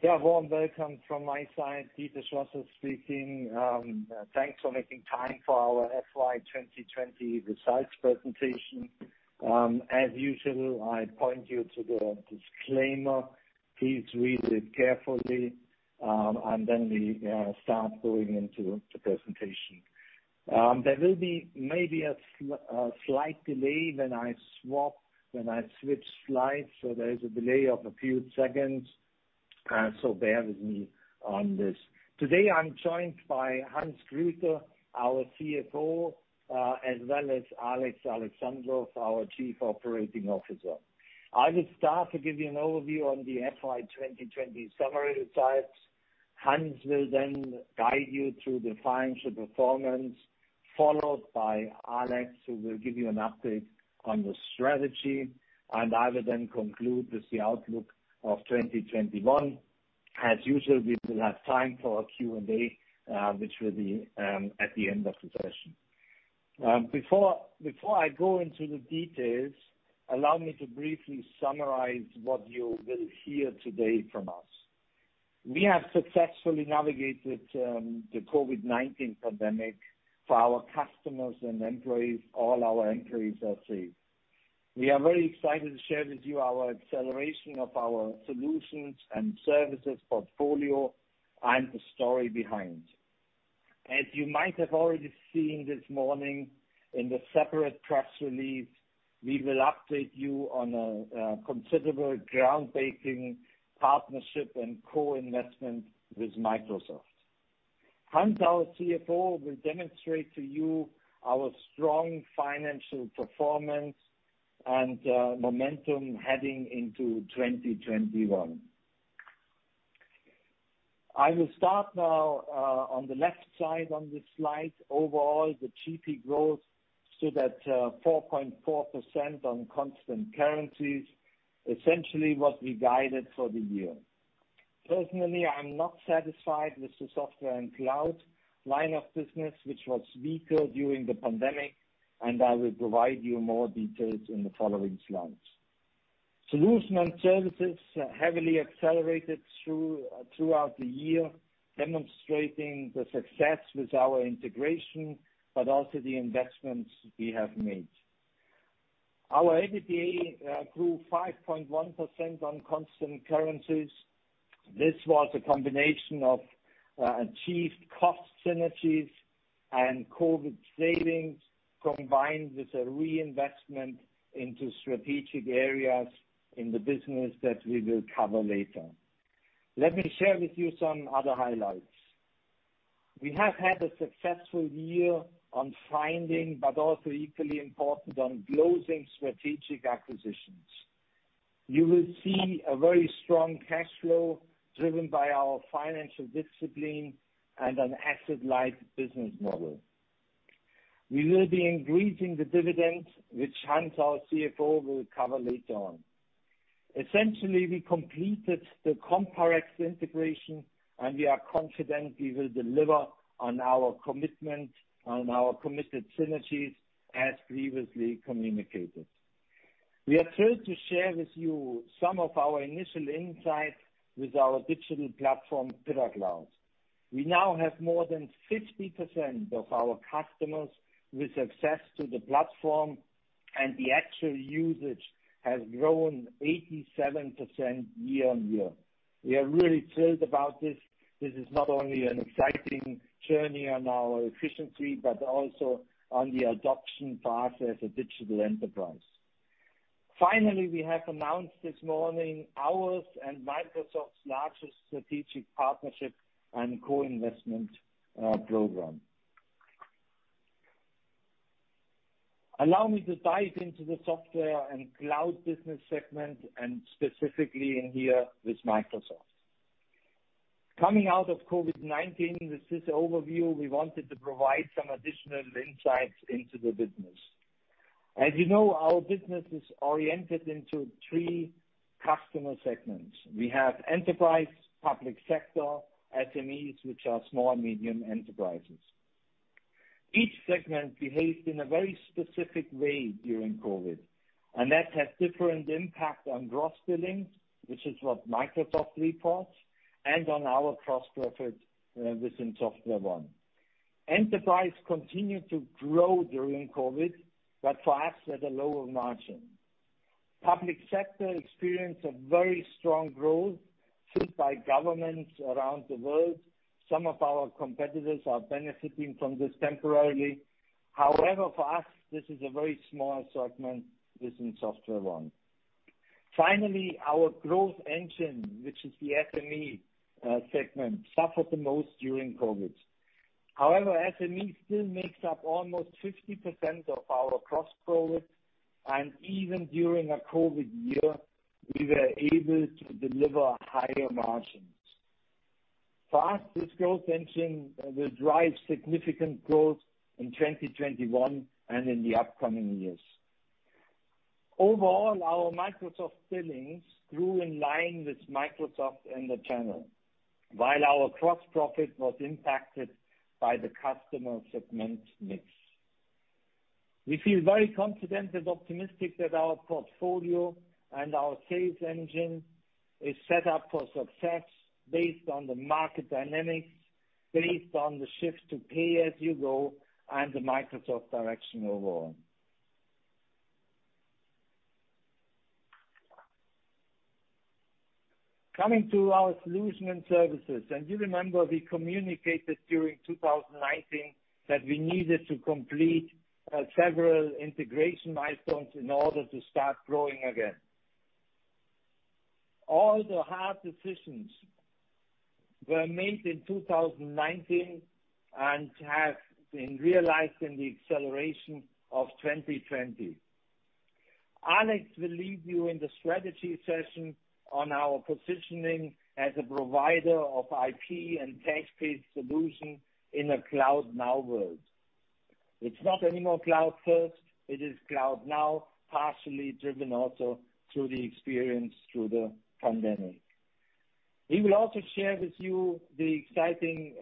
Yeah. Warm welcome from my side. Dieter Schlosser speaking. Thanks for making time for our FY 2020 results presentation. As usual, I point you to the disclaimer. Please read it carefully, and then we start going into the presentation. There will be maybe a slight delay when I switch slides, so there is a delay of a few seconds, so bear with me on this. Today, I'm joined by Hans Grüter, our CFO, as well as Alex Alexandrov, our Chief Operating Officer. I will start to give you an overview on the FY 2020 summary results. Hans will then guide you through the financial performance, followed by Alex, who will give you an update on the strategy. I will then conclude with the outlook of 2021. As usual, we will have time for a Q&A, which will be at the end of the session. Before I go into the details, allow me to briefly summarize what you will hear today from us. We have successfully navigated the COVID-19 pandemic for our customers and employees. All our employees are safe. We are very excited to share with you our acceleration of our solutions and services portfolio and the story behind. As you might have already seen this morning in the separate press release, we will update you on a considerable ground-breaking partnership and co-investment with Microsoft. Hans, our CFO, will demonstrate to you our strong financial performance and momentum heading into 2021. I will start now on the left side on this slide. Overall, the GP growth stood at 4.4% on constant currencies, essentially what we guided for the year. Personally, I'm not satisfied with the software and cloud line of business, which was weaker during the pandemic, and I will provide you more details in the following slides. Solutions and services heavily accelerated throughout the year, demonstrating the success with our integration, but also the investments we have made. Our EBITDA grew 5.1% on constant currencies. This was a combination of achieved cost synergies and COVID savings, combined with a reinvestment into strategic areas in the business that we will cover later. Let me share with you some other highlights. We have had a successful year on finding, but also equally important, on closing strategic acquisitions. You will see a very strong cash flow driven by our financial discipline and an asset-light business model. We will be increasing the dividend, which Hans, our CFO, will cover later on. Essentially, we completed the COMPAREX integration. We are confident we will deliver on our committed synergies as previously communicated. We are thrilled to share with you some of our initial insights with our digital platform, PyraCloud. We now have more than 50% of our customers with access to the platform. The actual usage has grown 87% year-on-year. We are really thrilled about this. This is not only an exciting journey on our efficiency, but also on the adoption path as a digital enterprise. Finally, we have announced this morning ours and Microsoft's largest strategic partnership and co-investment program. Allow me to dive into the software and cloud business segment, and specifically in here with Microsoft. Coming out of COVID-19 with this overview, we wanted to provide some additional insights into the business. As you know, our business is oriented into three customer segments. We have enterprise, public sector, SMEs, which are small and medium enterprises. Each segment behaved in a very specific way during COVID, and that had different impact on gross billings, which is what Microsoft reports, and on our gross profit within SoftwareONE. Enterprise continued to grow during COVID, but for us at a lower margin. Public sector experienced a very strong growth fueled by governments around the world. Some of our competitors are benefiting from this temporarily. However, for us, this is a very small segment within SoftwareONE. Finally, our growth engine, which is the SME segment, suffered the most during COVID. However, SME still makes up almost 50% of our gross profit, and even during a COVID year, we were able to deliver higher margins. For us, this growth engine will drive significant growth in 2021 and in the upcoming years. Overall, our Microsoft billings grew in line with Microsoft and the channel, while our gross profit was impacted by the customer segment mix. We feel very confident and optimistic that our portfolio and our sales engine is set up for success based on the market dynamics, based on the shift to pay-as-you-go, and the Microsoft direction overall. Coming to our solution and services, and you remember we communicated during 2019 that we needed to complete several integration milestones in order to start growing again. All the hard decisions were made in 2019 and have been realized in the acceleration of 2020. Alex will lead you in the strategy session on our positioning as a provider of IP and tech-based solution in a cloud now world. It's not any more cloud first, it is cloud now, partially driven also through the experience through the pandemic. We will also share with you the exciting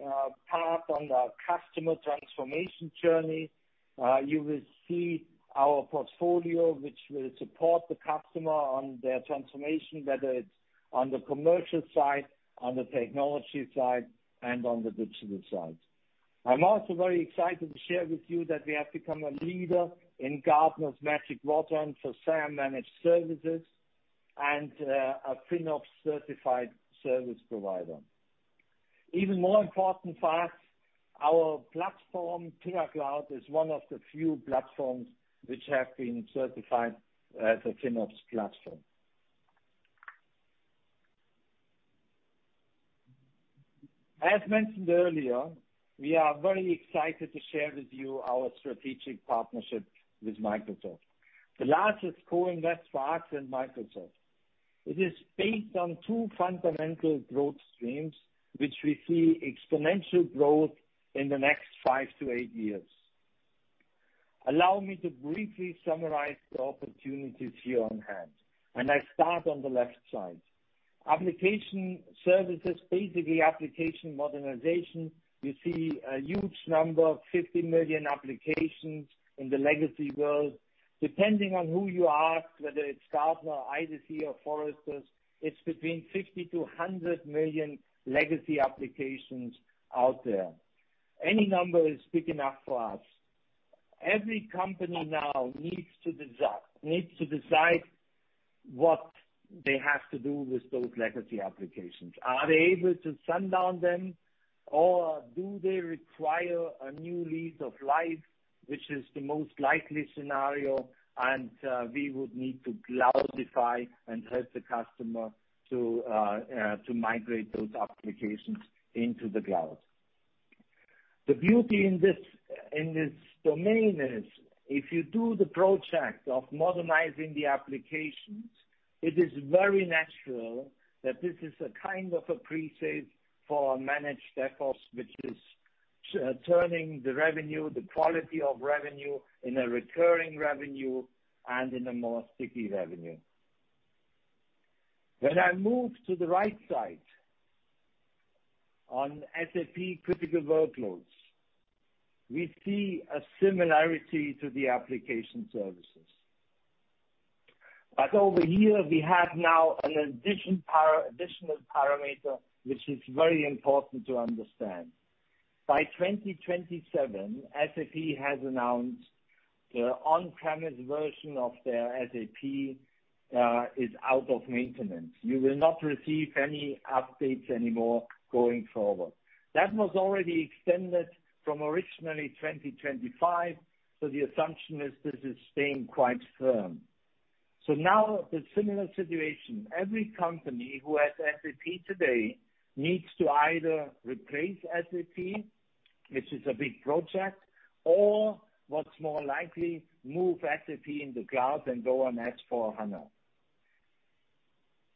part on the customer transformation journey. You will see our portfolio which will support the customer on their transformation, whether it's on the commercial side, on the technology side, and on the digital side. I'm also very excited to share with you that we have become a leader in Gartner's Magic Quadrant for SAM managed services and a FinOps certified service provider. Even more important fact, our platform, PyraCloud, is one of the few platforms which have been certified as a FinOps platform. As mentioned earlier, we are very excited to share with you our strategic partnership with Microsoft. The largest co-invest for us in Microsoft. It is based on two fundamental growth streams, which we see exponential growth in the next five to eight years. Allow me to briefly summarize the opportunities here on hand. I start on the left side. Application services, basically application modernization. You see a huge number, 50 million applications in the legacy world. Depending on who you ask, whether it's Gartner, IDC, or Forrester, it's between 60-100 million legacy applications out there. Any number is big enough for us. Every company now needs to decide what they have to do with those legacy applications. Are they able to sundown them or do they require a new lease of life, which is the most likely scenario, and we would need to cloudify and help the customer to migrate those applications into the cloud. The beauty in this domain is if you do the project of modernizing the applications, it is very natural that this is a kind of a pre-sale for our managed efforts, which is turning the revenue, the quality of revenue in a recurring revenue, and in a more sticky revenue. When I move to the right side on SAP critical workloads, we see a similarity to the application services. Over here we have now an additional parameter which is very important to understand. By 2027, SAP has announced the on-premise version of their SAP is out of maintenance. You will not receive any updates anymore going forward. That was already extended from originally 2025. The assumption is this is staying quite firm. Now the similar situation, every company who has SAP today needs to either replace SAP, which is a big project, or what's more likely, move SAP in the cloud and go on S/4HANA.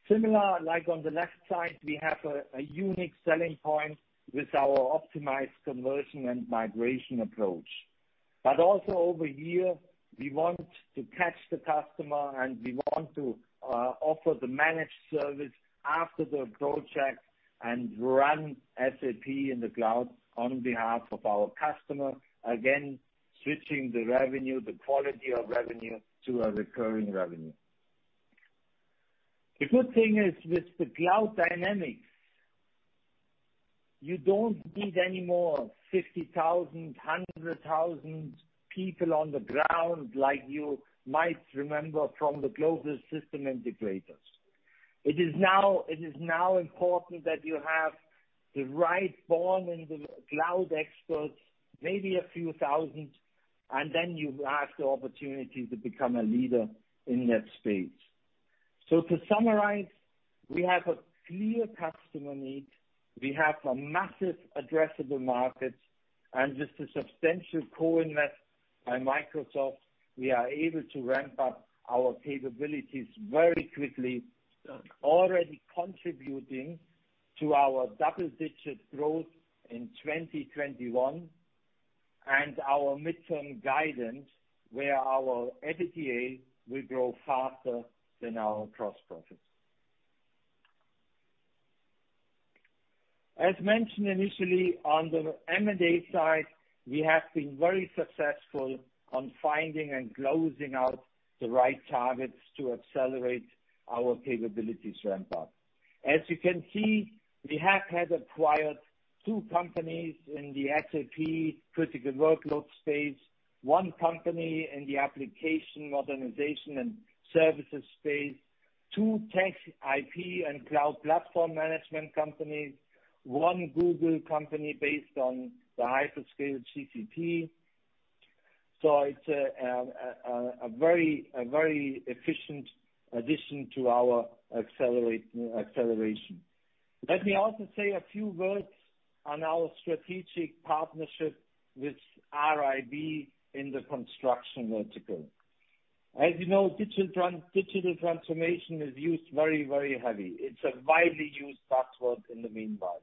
Similar like on the left side, we have a unique selling point with our optimized conversion and migration approach. Also over here, we want to catch the customer and we want to offer the managed service after the project and run SAP in the cloud on behalf of our customer. Again, switching the revenue, the quality of revenue to a recurring revenue. The good thing is with the cloud dynamics, you don't need any more 50,000, 100,000 people on the ground like you might remember from the global system integrators. It is now important that you have the right born in the cloud experts, maybe a few thousand, and then you have the opportunity to become a leader in that space. To summarize, we have a clear customer need. We have a massive addressable market, and with the substantial co-invest by Microsoft, we are able to ramp up our capabilities very quickly. Already contributing to our double-digit growth in 2021, and our midterm guidance where our EBITDA will grow faster than our gross profits. As mentioned initially on the M&A side, we have been very successful on finding and closing out the right targets to accelerate our capabilities ramp-up. As you can see, we have had acquired two companies in the SAP critical workload space, one company in the application modernization and services space, two tech IP and cloud platform management companies, one Google company based on the hyperscale GCP. It's a very efficient addition to our acceleration. Let me also say a few words on our strategic partnership with RIB in the construction vertical. As you know, digital transformation is used very, very heavy. It's a widely used buzzword in the meanwhile.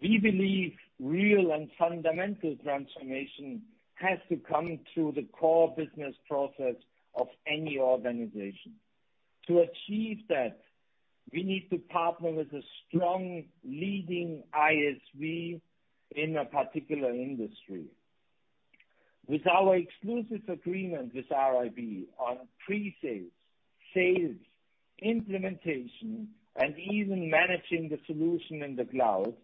We believe real and fundamental transformation has to come through the core business process of any organization. To achieve that, we need to partner with a strong leading ISV in a particular industry. With our exclusive agreement with RIB on pre-sales, sales, implementation, and even managing the solution in the cloud,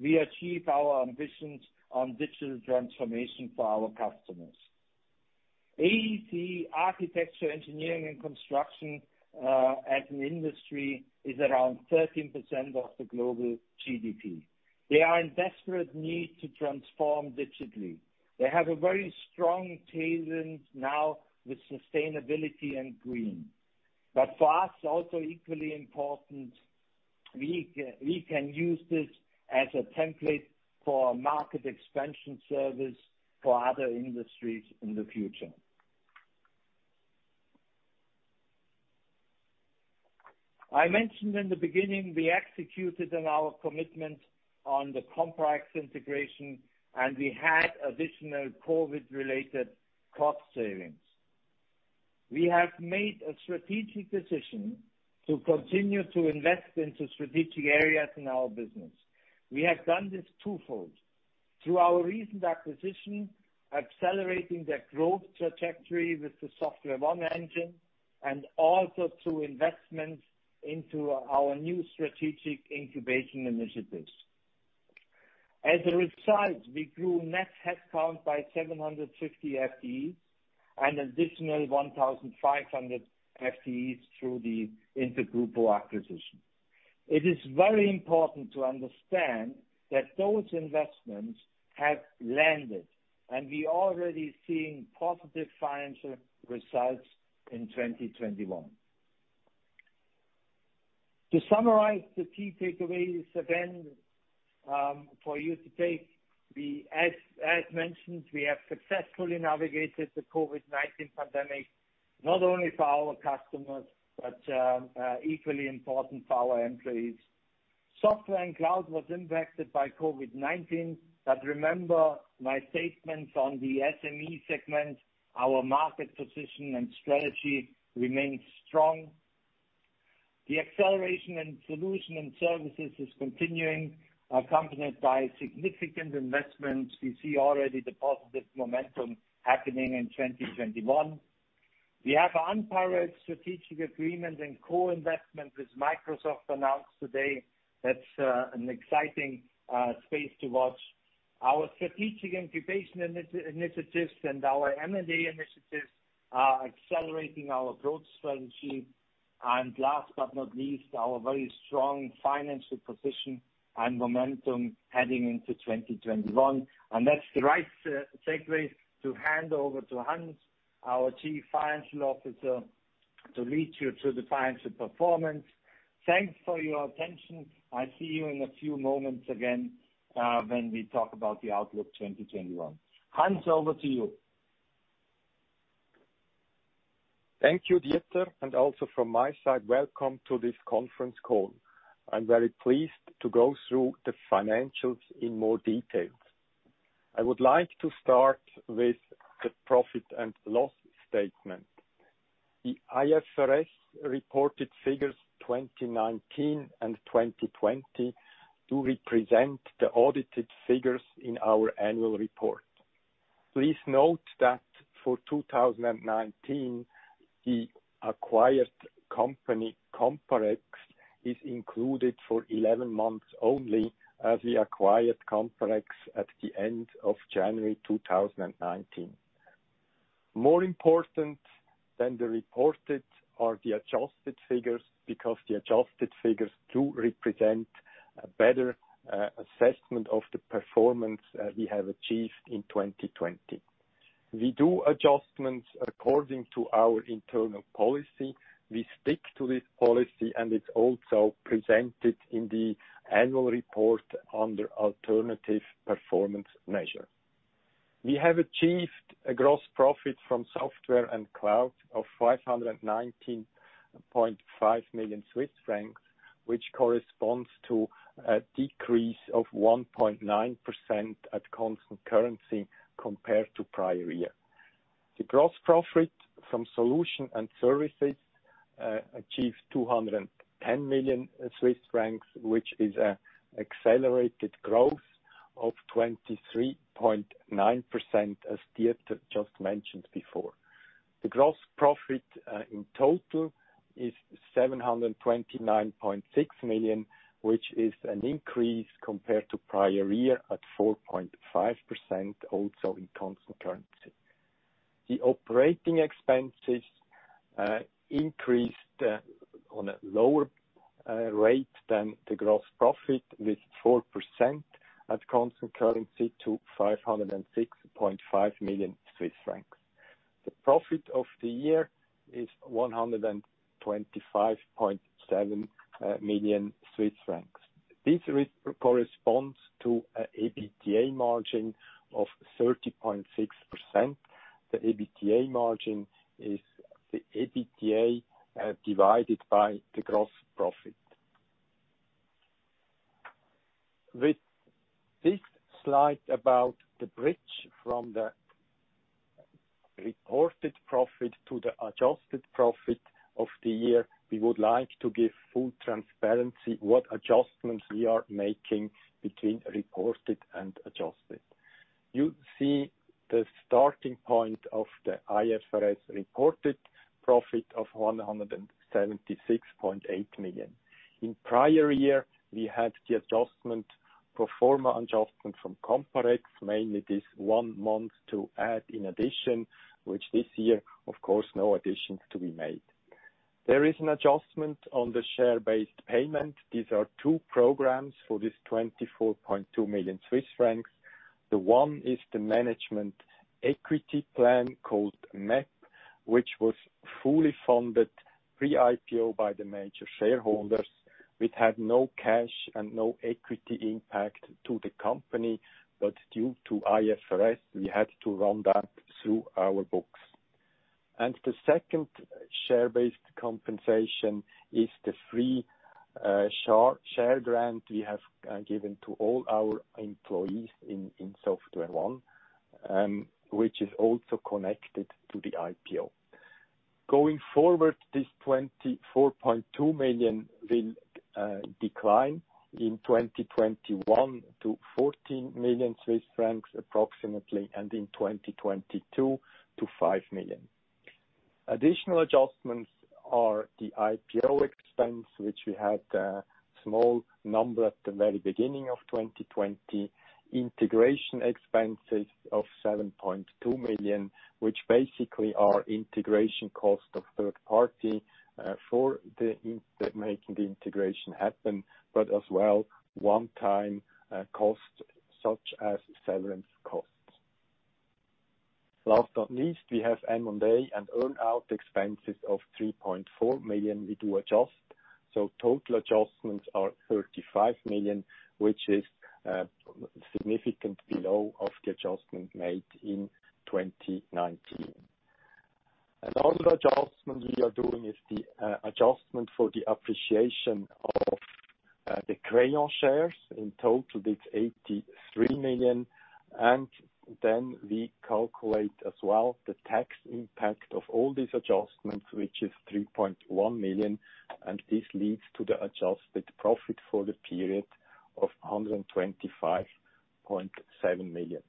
we achieve our ambitions on digital transformation for our customers. AEC, architecture, engineering, and construction, as an industry, is around 13% of the global GDP. They are in desperate need to transform digitally. They have a very strong tailwind now with sustainability and green. For us, also equally important, we can use this as a template for a market expansion service for other industries in the future. I mentioned in the beginning, we executed on our commitment on the COMPAREX integration, and we had additional COVID-related cost savings. We have made a strategic decision to continue to invest into strategic areas in our business. We have done this twofold: through our recent acquisition, accelerating the growth trajectory with the SoftwareONE engine, and also through investments into our new strategic incubation initiatives. As a result, we grew net headcount by 750 FTEs and additional 1,500 FTEs through the InterGrupo acquisition. It is very important to understand that those investments have landed, and we already seeing positive financial results in 2021. To summarize the key takeaways, again, for you to take, as mentioned, we have successfully navigated the COVID-19 pandemic, not only for our customers, but equally important for our employees. Software and cloud was impacted by COVID-19, but remember my statements on the SME segment, our market position and strategy remains strong. The acceleration in solution and services is continuing, accompanied by significant investments. We see already the positive momentum happening in 2021. We have an unparalleled strategic agreement and co-investment with Microsoft announced today. That's an exciting space to watch. Our strategic incubation initiatives and our M&A initiatives are accelerating our growth strategy. Last but not least, our very strong financial position and momentum heading into 2021. That's the right segue to hand over to Hans, our Chief Financial Officer, to lead you through the financial performance. Thanks for your attention. I'll see you in a few moments again, when we talk about the outlook 2021. Hans, over to you. Thank you, Dieter. Also from my side, welcome to this conference call. I'm very pleased to go through the financials in more detail. I would like to start with the profit and loss statement. The IFRS reported figures 2019 and 2020 do represent the audited figures in our annual report. Please note that for 2019, the acquired company, COMPAREX, is included for 11 months only, as we acquired COMPAREX at the end of January 2019. More important than the reported are the adjusted figures, because the adjusted figures do represent a better assessment of the performance we have achieved in 2020. We do adjustments according to our internal policy. We stick to this policy, and it's also presented in the annual report under alternative performance measure. We have achieved a gross profit from software and cloud of 519.5 million Swiss francs, which corresponds to a decrease of 1.9% at constant currency compared to prior year. The gross profit from solution and services achieved 210 million Swiss francs, which is an accelerated growth of 23.9%, as Dieter just mentioned before. The gross profit in total is 729.6 million, which is an increase compared to prior year at 4.5%, also in constant currency. The operating expenses increased on a lower rate than the gross profit, with 4% at constant currency to 506.5 million Swiss francs. The profit of the year is 125.7 million Swiss francs. This corresponds to an EBITDA margin of 30.6%. The EBITDA margin is the EBITDA divided by the gross profit. With this slide about the bridge from the reported profit to the adjusted profit of the year, we would like to give full transparency what adjustments we are making between reported and adjusted. You see the starting point of the IFRS reported profit of 176.8 million. In prior year, we had the adjustment, pro forma adjustment from COMPAREX, mainly this one month to add in addition, which this year, of course, no additions to be made. There is an adjustment on the share-based payment. These are two programs for this 24.2 million Swiss francs. The one is the management equity plan called MEP, which was fully funded pre-IPO by the major shareholders, which had no cash and no equity impact to the company. Due to IFRS, we had to run that through our books. The second share-based compensation is the free share grant we have given to all our employees in SoftwareONE, which is also connected to the IPO. Going forward, this 24.2 million will decline in 2021 to 14 million Swiss francs approximately, and in 2022 to 5 million. Additional adjustments are the IPO expense, which we had a small number at the very beginning of 2020. Integration expenses of 7.2 million, which basically are integration cost of third-party for making the integration happen, but as well one-time cost, such as severance costs. Last but not least, we have M&A and earn-out expenses of 3.4 million we do adjust. Total adjustments are 35 million, which is significantly low of the adjustment made in 2019. Another adjustment we are doing is the adjustment for the appreciation of the Crayon shares. In total, it's 83 million. We calculate as well the tax impact of all these adjustments, which is 3.1 million, and this leads to the adjusted profit for the period of 125.7 million.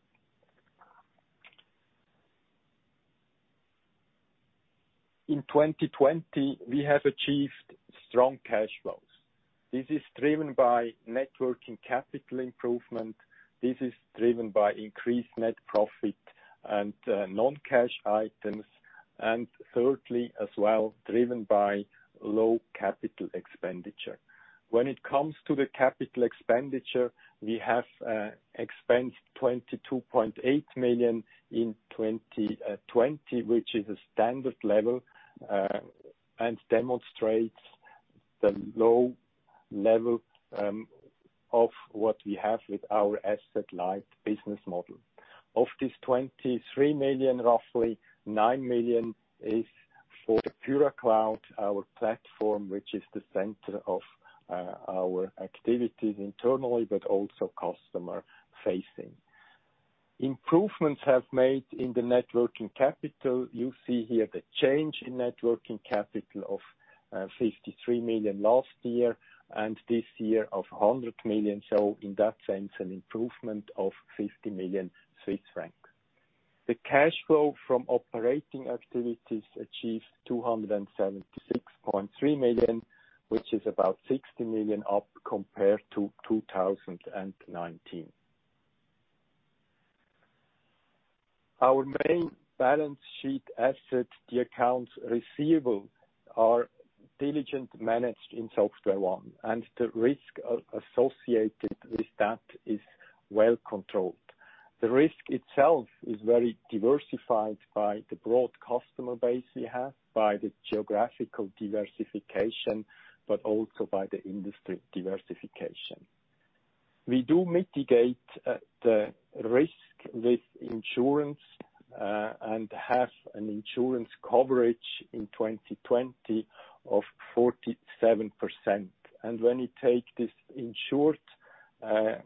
In 2020, we have achieved strong cash flows. This is driven by net working capital improvement. This is driven by increased net profit and non-cash items. Thirdly, as well, driven by low capital expenditure. When it comes to the capital expenditure, we have expensed 22.8 million in 2020, which is a standard level, and demonstrates the low level of what we have with our asset-light business model. Of this 23 million, roughly 9 million is for the PyraCloud, our platform, which is the center of our activities internally, but also customer-facing. Improvements have made in the net working capital. You see here the change in net working capital of 53 million last year, and this year of 100 million. In that sense, an improvement of 50 million Swiss francs. The cash flow from operating activities achieved 276.3 million, which is about 60 million up compared to 2019. Our main balance sheet asset, the accounts receivable, are diligently managed in SoftwareONE, and the risk associated with that is well-controlled. The risk itself is very diversified by the broad customer base we have, by the geographical diversification, but also by the industry diversification. We do mitigate the risk with insurance, and have an insurance coverage in 2020 of 47%. When you take this insured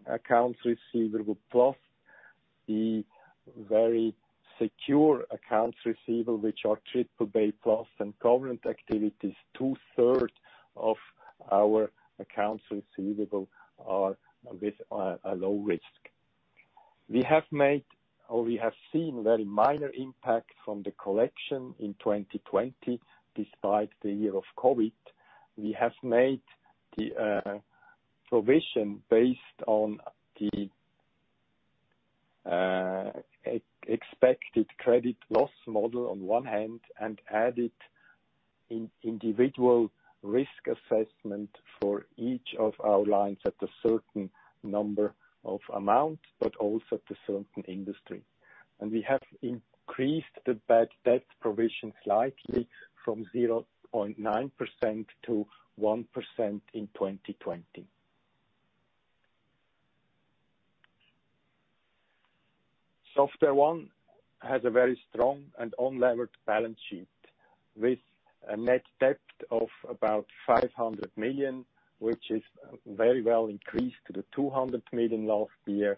accounts receivable plus the very secure accounts receivable, which are BBB+ and current activities. Two-thirds of our accounts receivable are with a low risk. We have seen very minor impact from the collection in 2020, despite the year of COVID. We have made the provision based on the expected credit loss model on one hand, and added individual risk assessment for each of our lines at a certain number of amount, but also at a certain industry. We have increased the bad debt provision slightly from 0.9% to 1% in 2020. SoftwareONE has a very strong and unlevered balance sheet with a net debt of about 500 million, which is very well increased to the 200 million last year.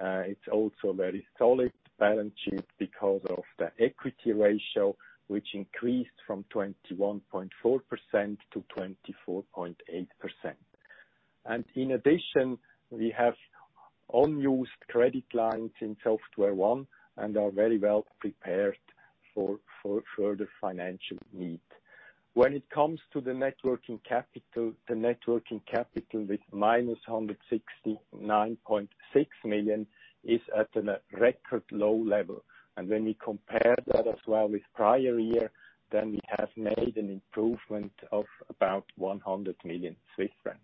It's also a very solid balance sheet because of the equity ratio, which increased from 21.4% to 24.8%. In addition, we have unused credit lines in SoftwareONE and are very well prepared for further financial need. When it comes to the net working capital, the net working capital with -169.6 million is at a record low level. When we compare that as well with prior year, then we have made an improvement of about 100 million Swiss francs.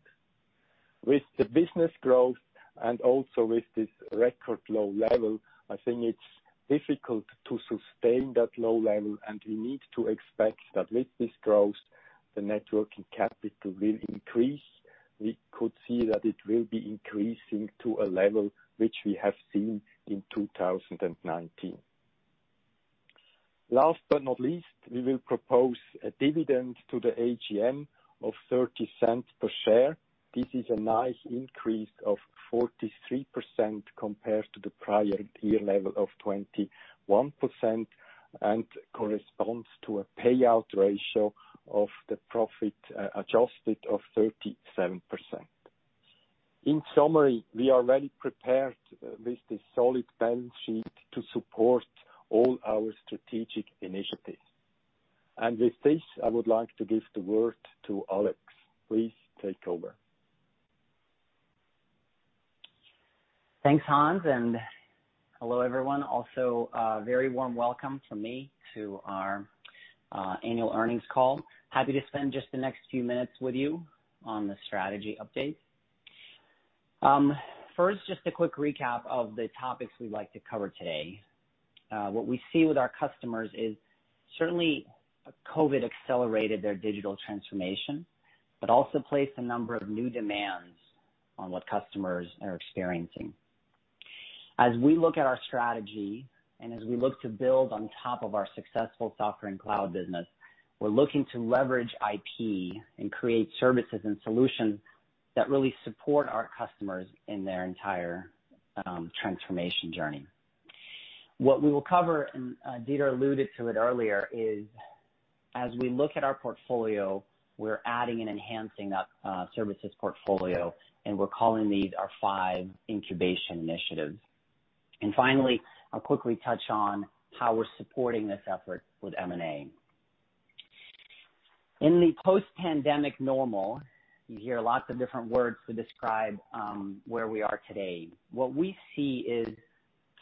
With the business growth and also with this record low level, I think it's difficult to sustain that low level, and we need to expect that with this growth, the net working capital will increase. We could see that it will be increasing to a level which we have seen in 2019. Last but not least, we will propose a dividend to the AGM of 0.30 per share. This is a nice increase of 43% compared to the prior year level of 21% and corresponds to a payout ratio of the profit adjusted of 37%. In summary, we are very prepared with this solid balance sheet to support all our strategic initiatives. With this, I would like to give the word to Alex. Please take over. Thanks, Hans, and hello, everyone. Also a very warm welcome from me to our annual earnings call. Happy to spend just the next few minutes with you on the strategy update. First, just a quick recap of the topics we'd like to cover today. What we see with our customers is certainly COVID accelerated their digital transformation, but also placed a number of new demands on what customers are experiencing. As we look at our strategy and as we look to build on top of our successful software and cloud business, we're looking to leverage IP and create services and solutions that really support our customers in their entire transformation journey. What we will cover, and Dieter alluded to it earlier, is as we look at our portfolio, we're adding and enhancing that services portfolio, and we're calling these our five incubation initiatives. Finally, I'll quickly touch on how we're supporting this effort with M&A. In the post-pandemic normal, you hear lots of different words to describe where we are today. What we see is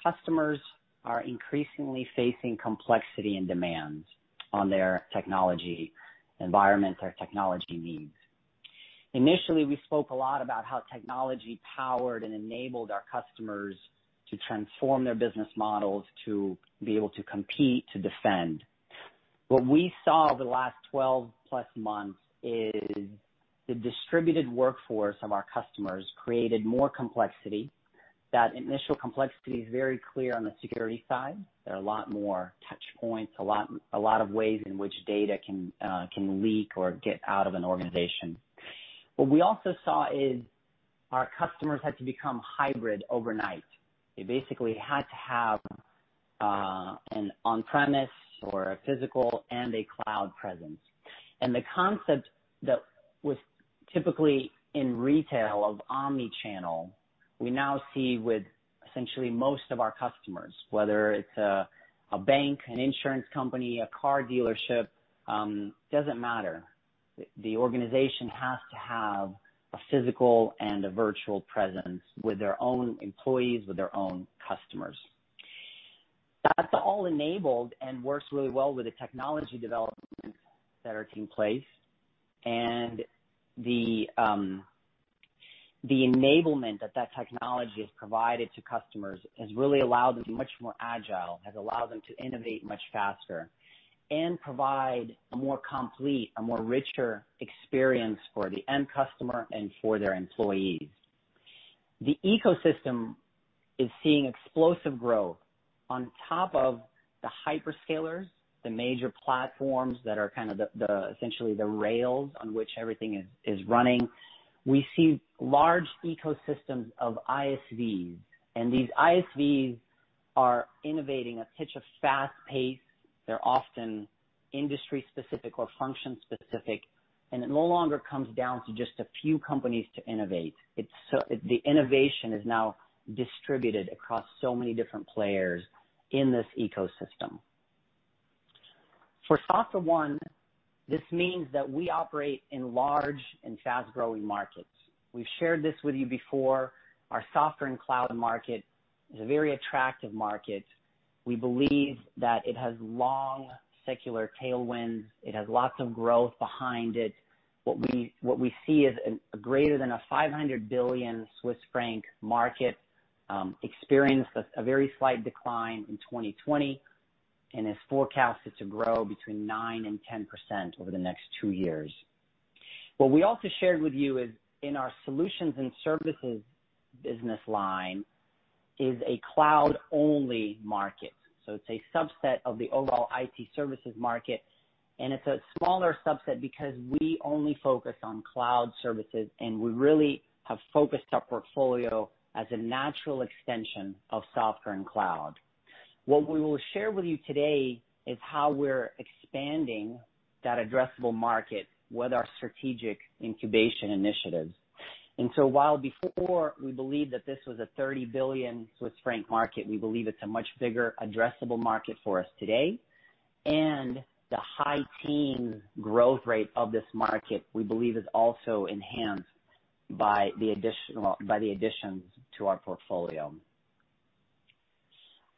customers are increasingly facing complexity and demands on their technology environment, their technology needs. Initially, we spoke a lot about how technology powered and enabled our customers to transform their business models, to be able to compete, to defend. What we saw over the last 12+ months is the distributed workforce of our customers created more complexity. That initial complexity is very clear on the security side. There are a lot more touch points, a lot of ways in which data can leak or get out of an organization. What we also saw is our customers had to become hybrid overnight. They basically had to have an on-premise or a physical and a cloud presence. The concept that was typically in retail of omni-channel, we now see with essentially most of our customers. Whether it's a bank, an insurance company, a car dealership, doesn't matter. The organization has to have a physical and a virtual presence with their own employees, with their own customers. That's all enabled and works really well with the technology developments that are taking place. The enablement that that technology has provided to customers has really allowed them to be much more agile, has allowed them to innovate much faster and provide a more complete, a more richer experience for the end customer and for their employees. The ecosystem is seeing explosive growth. On top of the hyperscalers, the major platforms that are essentially the rails on which everything is running, we see large ecosystems of ISVs. These ISVs are innovating at such a fast pace. They're often industry-specific or function-specific, and it no longer comes down to just a few companies to innovate. The innovation is now distributed across so many different players in this ecosystem. For SoftwareONE, this means that we operate in large and fast-growing markets. We've shared this with you before. Our software and cloud market is a very attractive market. We believe that it has long secular tailwinds. It has lots of growth behind it. What we see is a greater than a 500 billion Swiss franc market, experienced a very slight decline in 2020, and is forecasted to grow between 9% and 10% over the next two years. What we also shared with you is in our solutions and services business line is a cloud-only market. It's a subset of the overall IT services market, and it's a smaller subset because we only focus on cloud services, and we really have focused our portfolio as a natural extension of software and cloud. What we will share with you today is how we're expanding that addressable market with our strategic incubation initiatives. While before we believed that this was a 30 billion Swiss franc market, we believe it's a much bigger addressable market for us today. The high teen growth rate of this market, we believe is also enhanced by the additions to our portfolio.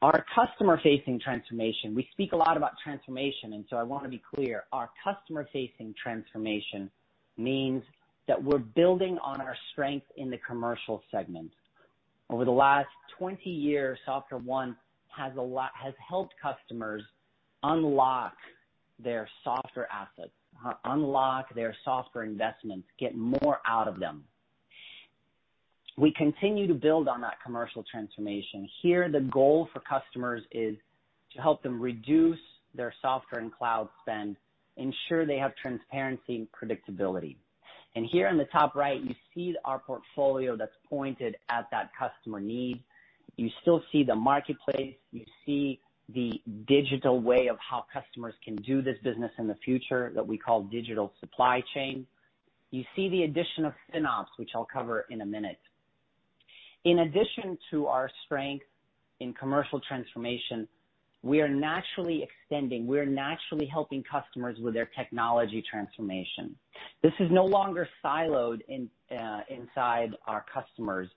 Our customer-facing transformation. We speak a lot about transformation, I want to be clear. Our customer-facing transformation means that we're building on our strength in the commercial segment. Over the last 20 years, SoftwareONE has helped customers unlock their software assets, unlock their software investments, get more out of them. We continue to build on that commercial transformation. Here, the goal for customers is to help them reduce their software and cloud spend, ensure they have transparency and predictability. Here in the top right, you see our portfolio that's pointed at that customer need. You still see the marketplace. You see the digital way of how customers can do this business in the future that we call digital supply chain. You see the addition of FinOps, which I'll cover in a minute. In addition to our strength in commercial transformation, we are naturally extending, we're naturally helping customers with their technology transformation. This is no longer siloed inside our customers.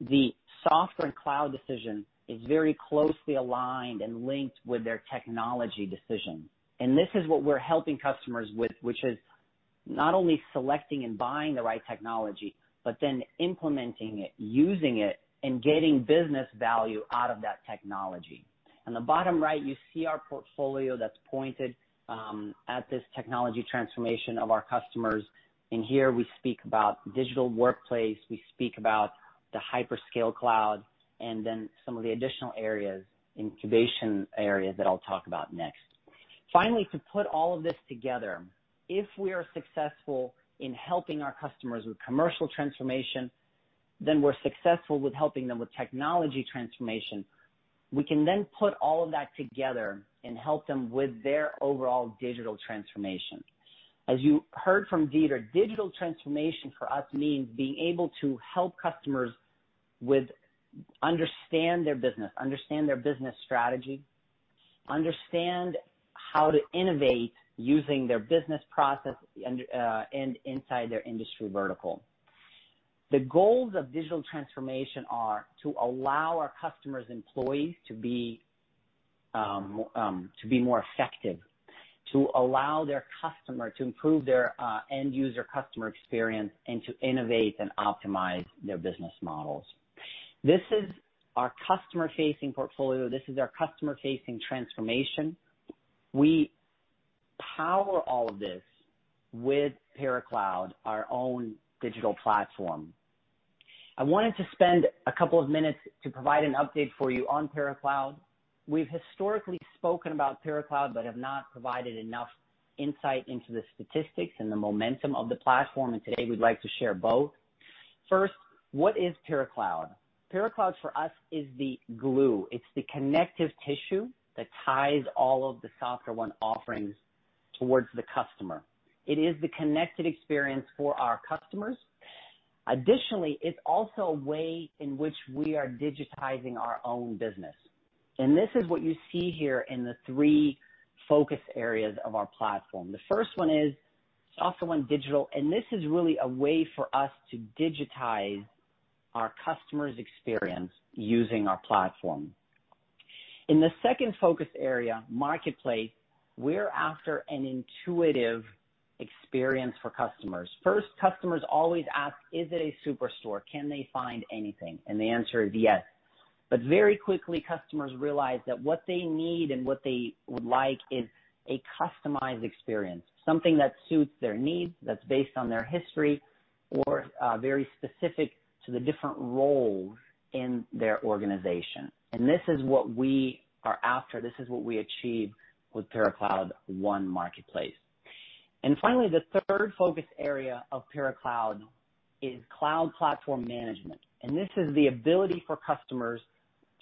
The software and cloud decision is very closely aligned and linked with their technology decision. This is what we're helping customers with, which is not only selecting and buying the right technology, but then implementing it, using it, and getting business value out of that technology. On the bottom right, you see our portfolio that's pointed at this technology transformation of our customers. In here, we speak about digital workplace, we speak about the hyperscale cloud, and then some of the additional areas, incubation areas that I'll talk about next. To put all of this together, if we are successful in helping our customers with commercial transformation, then we're successful with helping them with technology transformation. We can then put all of that together and help them with their overall digital transformation. As you heard from Dieter, digital transformation for us means being able to help customers with understand their business, understand their business strategy, understand how to innovate using their business process, and inside their industry vertical. The goals of digital transformation are to allow our customers' employees to be more effective, to allow their customer to improve their end-user customer experience, and to innovate and optimize their business models. This is our customer-facing portfolio. This is our customer-facing transformation. We power all of this with PyraCloud, our own digital platform. I wanted to spend a couple of minutes to provide an update for you on PyraCloud. We've historically spoken about PyraCloud but have not provided enough insight into the statistics and the momentum of the platform, and today, we'd like to share both. First, what is PyraCloud? PyraCloud, for us, is the glue. It's the connective tissue that ties all of the SoftwareONE offerings towards the customer. It is the connected experience for our customers. Additionally, it's also a way in which we are digitizing our own business. This is what you see here in the three focus areas of our platform. The first one is SoftwareONE Digital. This is really a way for us to digitize our customer's experience using our platform. In the second focus area, Marketplace, we're after an intuitive experience for customers. First, customers always ask, "Is it a superstore? Can they find anything?" The answer is yes. Very quickly, customers realize that what they need and what they would like is a customized experience, something that suits their needs, that's based on their history or very specific to the different roles in their organization. This is what we are after. This is what we achieve with PyraCloud ONE marketplace. Finally, the third focus area of PyraCloud is cloud platform management, and this is the ability for customers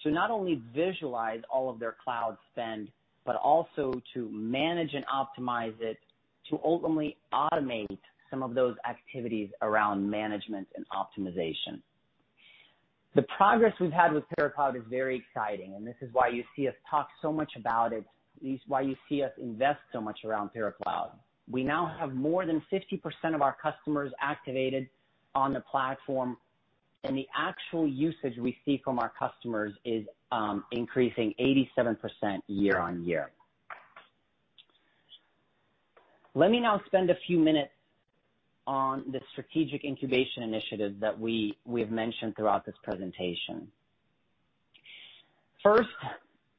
to not only visualize all of their cloud spend, but also to manage and optimize it, to ultimately automate some of those activities around management and optimization. The progress we've had with PyraCloud is very exciting, and this is why you see us talk so much about it. This is why you see us invest so much around PyraCloud. We now have more than 50% of our customers activated on the platform, and the actual usage we see from our customers is increasing 87% year-on-year. Let me now spend a few minutes on the strategic incubation initiative that we have mentioned throughout this presentation. First,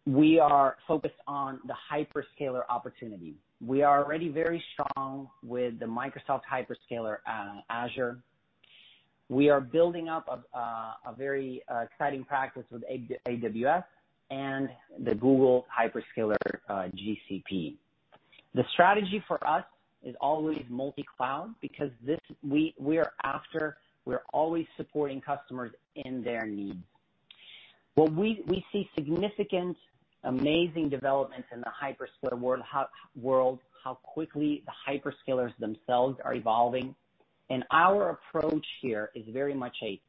we are focused on the hyperscaler opportunity. We are already very strong with the Microsoft hyperscaler Azure. We are building up a very exciting practice with AWS and the Google hyperscaler, GCP. The strategy for us is always multi-cloud because we're always supporting customers in their needs. Well, we see significant, amazing developments in the hyperscaler world, how quickly the hyperscalers themselves are evolving. Our approach here is very much a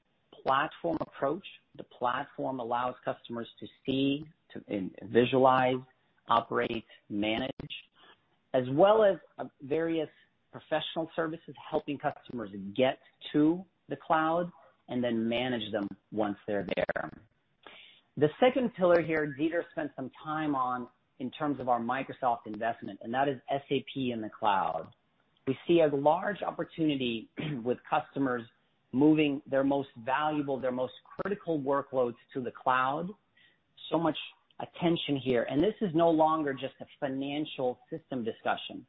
platform approach. The platform allows customers to see and visualize, operate, manage, as well as various professional services helping customers get to the cloud and then manage them once they're there. The second pillar here Dieter spent some time on in terms of our Microsoft investment, and that is SAP in the cloud. We see a large opportunity with customers moving their most valuable, their most critical workloads to the cloud. Much attention here. This is no longer just a financial system discussion.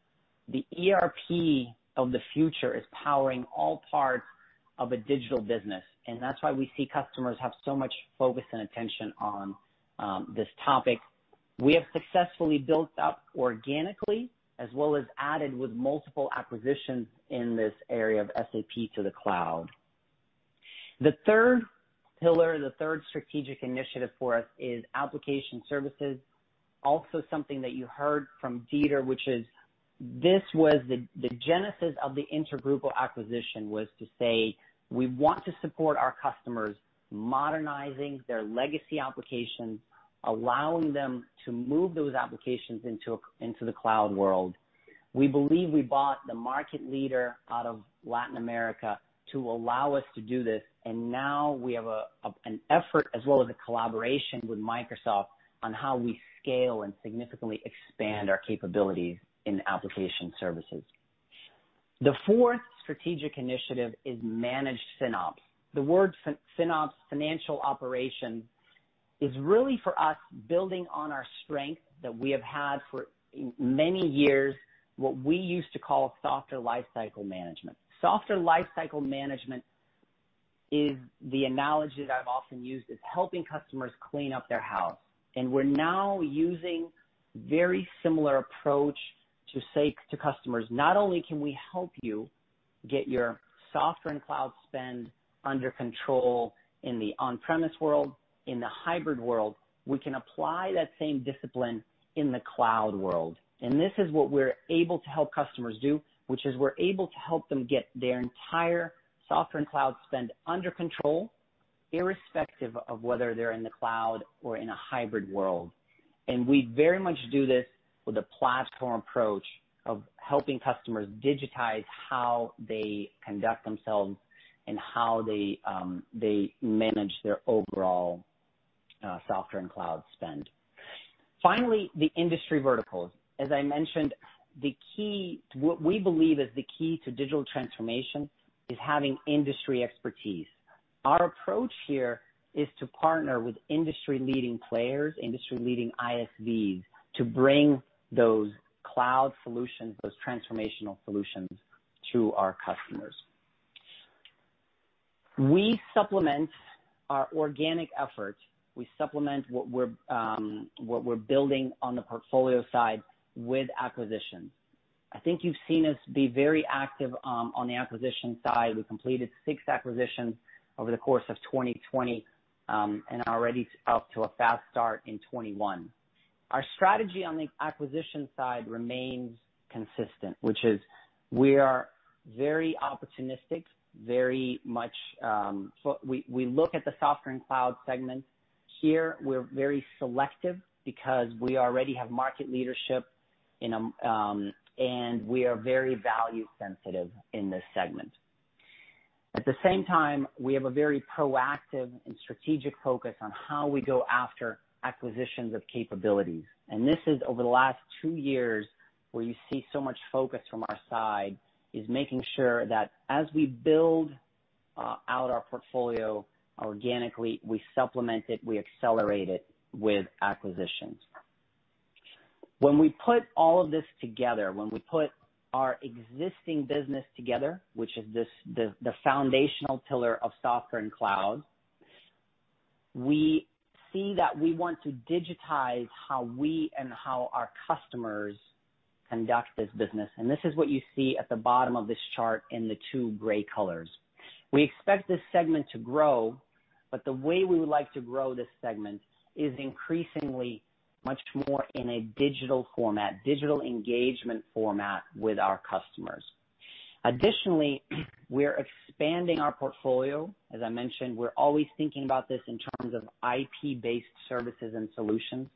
The ERP of the future is powering all parts of a digital business, and that's why we see customers have so much focus and attention on this topic. We have successfully built up organically as well as added with multiple acquisitions in this area of SAP to the cloud. The third pillar, the third strategic initiative for us is application services. Also something that you heard from Dieter, which is this was the genesis of the InterGrupo acquisition, was to say, we want to support our customers modernizing their legacy applications, allowing them to move those applications into the cloud world. We believe we bought the market leader out of Latin America to allow us to do this. Now we have an effort as well as a collaboration with Microsoft on how we scale and significantly expand our capabilities in application services. The fourth strategic initiative is managed FinOps. The word FinOps, financial operation, is really for us, building on our strength that we have had for many years, what we used to call software lifecycle management. Software lifecycle management is the analogy that I've often used, is helping customers clean up their house. We're now using very similar approach to say to customers, "Not only can we help you get your software and cloud spend under control in the on-premise world, in the hybrid world, we can apply that same discipline in the cloud world." This is what we're able to help customers do, which is we're able to help them get their entire software and cloud spend under control, irrespective of whether they're in the cloud or in a hybrid world. We very much do this with a platform approach of helping customers digitize how they conduct themselves and how they manage their overall software and cloud spend. Finally, the industry verticals. As I mentioned, what we believe is the key to digital transformation is having industry expertise. Our approach here is to partner with industry-leading players, industry-leading ISVs, to bring those cloud solutions, those transformational solutions to our customers. We supplement our organic efforts. We supplement what we're building on the portfolio side with acquisitions. I think you've seen us be very active on the acquisition side. We completed six acquisitions over the course of 2020, and already up to a fast start in 2021. Our strategy on the acquisition side remains consistent, which is we are very opportunistic. We look at the software and cloud segment. Here we're very selective because we already have market leadership, and we are very value sensitive in this segment. At the same time, we have a very proactive and strategic focus on how we go after acquisitions of capabilities. This is over the last two years where you see so much focus from our side is making sure that as we build out our portfolio organically, we supplement it, we accelerate it with acquisitions. When we put all of this together, when we put our existing business together, which is the foundational pillar of software and cloud, we see that we want to digitize how we and how our customers conduct this business. This is what you see at the bottom of this chart in the two gray colors. We expect this segment to grow, but the way we would like to grow this segment is increasingly much more in a digital format, digital engagement format with our customers. Additionally, we're expanding our portfolio. As I mentioned, we're always thinking about this in terms of IP-based services and solutions.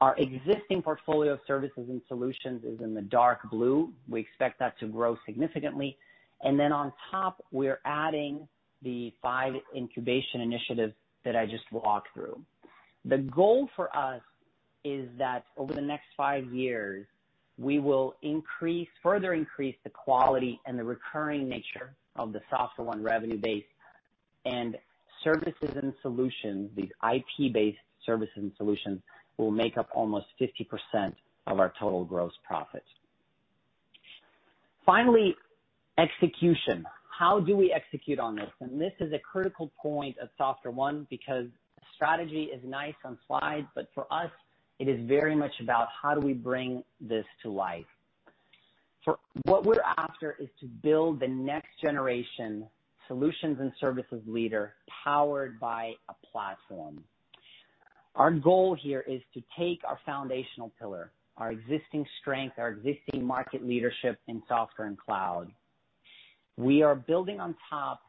Our existing portfolio of services and solutions is in the dark blue. We expect that to grow significantly. On top, we're adding the five incubation initiatives that I just walked through. The goal for us is that over the next five years, we will further increase the quality and the recurring nature of the SoftwareONE revenue base, and services and solutions, these IP-based services and solutions, will make up almost 50% of our total gross profit. Finally, execution. How do we execute on this? This is a critical point of SoftwareONE because strategy is nice on slides, but for us, it is very much about how do we bring this to life. What we're after is to build the next generation solutions and services leader powered by a platform. Our goal here is to take our foundational pillar, our existing strength, our existing market leadership in software and cloud. We are building on top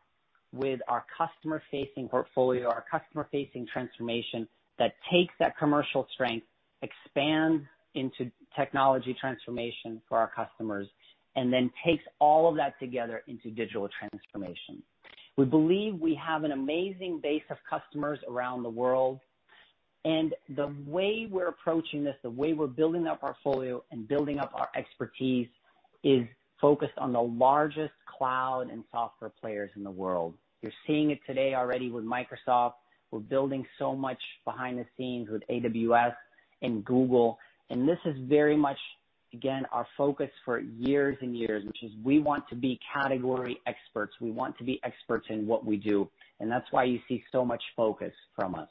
with our customer-facing portfolio, our customer-facing transformation that takes that commercial strength, expands into technology transformation for our customers, and then takes all of that together into digital transformation. We believe we have an amazing base of customers around the world, and the way we're approaching this, the way we're building up our portfolio and building up our expertise, is focused on the largest cloud and software players in the world. You're seeing it today already with Microsoft. We're building so much behind the scenes with AWS and Google. This is very much, again, our focus for years and years, which is we want to be category experts. We want to be experts in what we do, and that's why you see so much focus from us.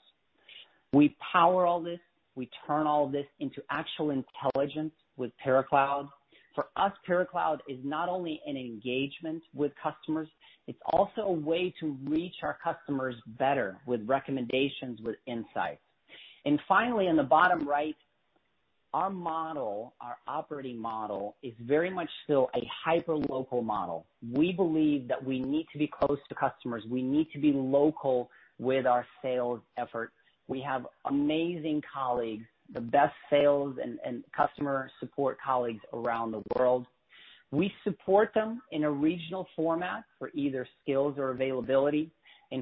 We power all this. We turn all this into actual intelligence with PyraCloud. For us, PyraCloud is not only an engagement with customers, it's also a way to reach our customers better with recommendations, with insights. Finally, on the bottom right, our model, our operating model is very much still a hyper-local model. We believe that we need to be close to customers. We need to be local with our sales efforts. We have amazing colleagues, the best sales and customer support colleagues around the world. We support them in a regional format for either skills or availability.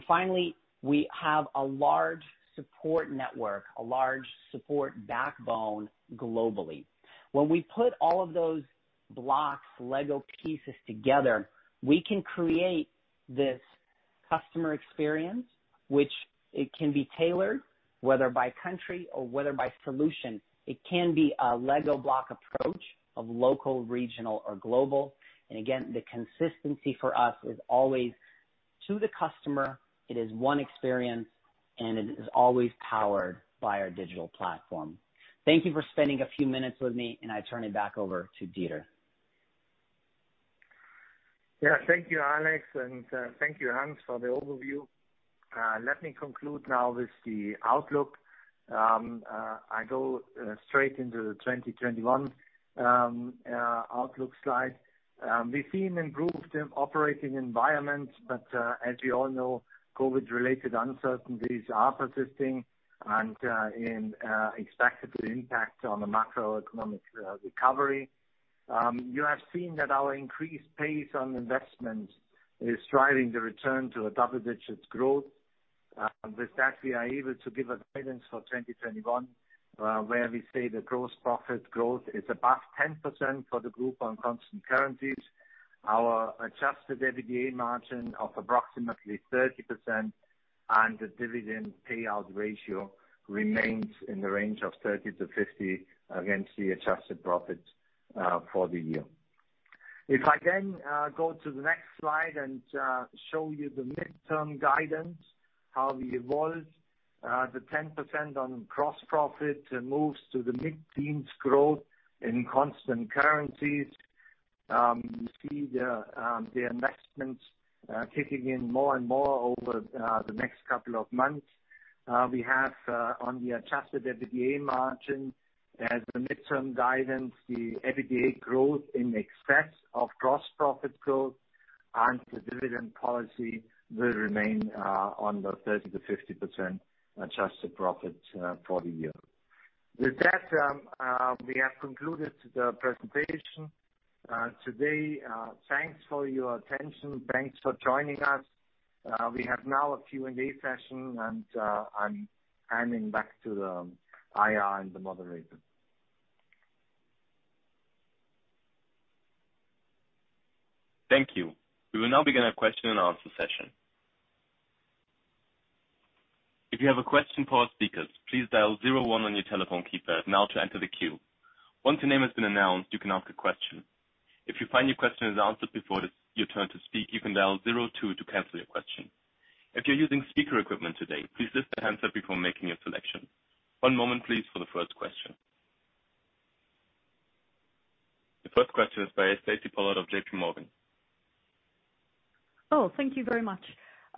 Finally, we have a large support network, a large support backbone globally. When we put all of those blocks, Lego pieces together, we can create this customer experience, which can be tailored, whether by country or whether by solution. It can be a Lego block approach of local, regional, or global. Again, the consistency for us is always to the customer. It is one experience, and it is always powered by our digital platform. Thank you for spending a few minutes with me, and I turn it back over to Dieter. Thank you, Alex, and thank you, Hans, for the overview. Let me conclude now with the outlook. I go straight into the 2021 outlook slide. We've seen improved operating environments, but as we all know, COVID-related uncertainties are persisting and expected to impact on the macroeconomic recovery. You have seen that our increased pace on investment is driving the return to a double-digit growth. With that, we are able to give a guidance for 2021, where we say the gross profit growth is above 10% for the group on constant currencies. Our adjusted EBITDA margin of approximately 30% and the dividend payout ratio remains in the range of 30%-50% against the adjusted profit for the year. If I can go to the next slide and show you the midterm guidance, how we evolved. The 10% on gross profit moves to the mid-teens growth in constant currencies. You see the investments kicking in more and more over the next couple of months. We have on the adjusted EBITDA margin as the midterm guidance, the EBITDA growth in excess of gross profit growth and the dividend policy will remain on the 30%-50% adjusted profit for the year. With that, we have concluded the presentation. Today. Thanks for your attention. Thanks for joining us. We have now a Q&A session. I'm handing back to the IR and the moderator. Thank you. We will now begin our question-and-answer session. If you have a question for our speakers, please dial zero one on your telephone keypad now to enter the queue. Once your name has been announced, you can ask a question. If you find your question is answered before it's your turn to speak, you can dial zero two to cancel your question. If you're using speaker equipment today, please lift the handset before making a selection. One moment please for the first question. The first question is by Stacy Pollard of JPMorgan. Thank you very much.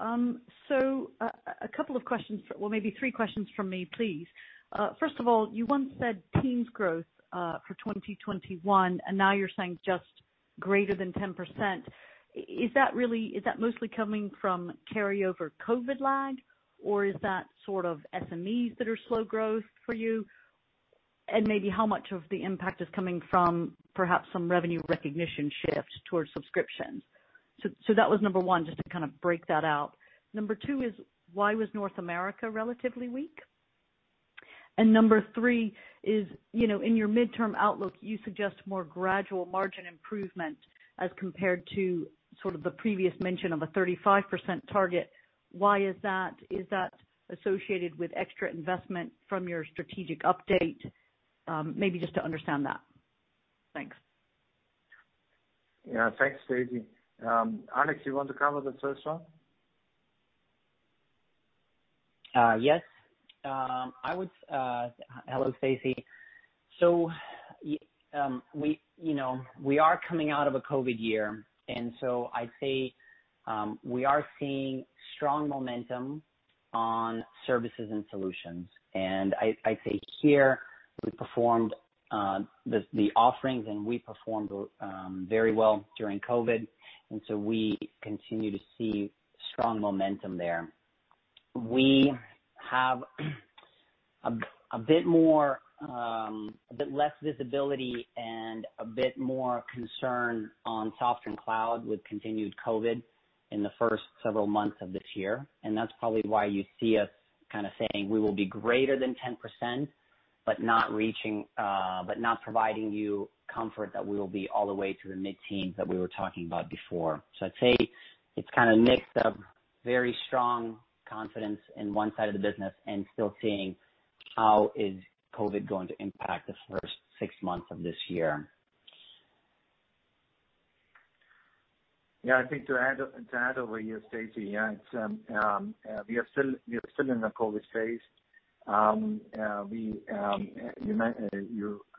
A couple of questions, well, maybe three questions from me, please. First of all, you once said mid-teens growth for 2021. Now you're saying just greater than 10%. Is that mostly coming from carryover COVID lag, or is that sort of SMEs that are slow growth for you? Maybe how much of the impact is coming from perhaps some revenue recognition shift towards subscriptions? That was number one, just to break that out. Number two is why was North America relatively weak? Number three is, in your midterm outlook, you suggest more gradual margin improvement as compared to sort of the previous mention of a 35% target. Why is that? Is that associated with extra investment from your strategic update? Maybe just to understand that. Thanks. Yeah. Thanks, Stacy. Alex, you want to cover the first one? Yes. Hello, Stacy. We are coming out of a COVID year, and so I'd say we are seeing strong momentum on services and solutions. I'd say here we performed the offerings, and we performed very well during COVID, and so we continue to see strong momentum there. We have a bit less visibility and a bit more concern on software and cloud with continued COVID in the first several months of this year. That's probably why you see us saying we will be greater than 10% but not providing you comfort that we will be all the way to the mid-teens that we were talking about before. I'd say it's a mix of very strong confidence in one side of the business and still seeing how is COVID going to impact the first six months of this year. Yeah. I think to add over you, Stacy. We are still in a COVID phase. You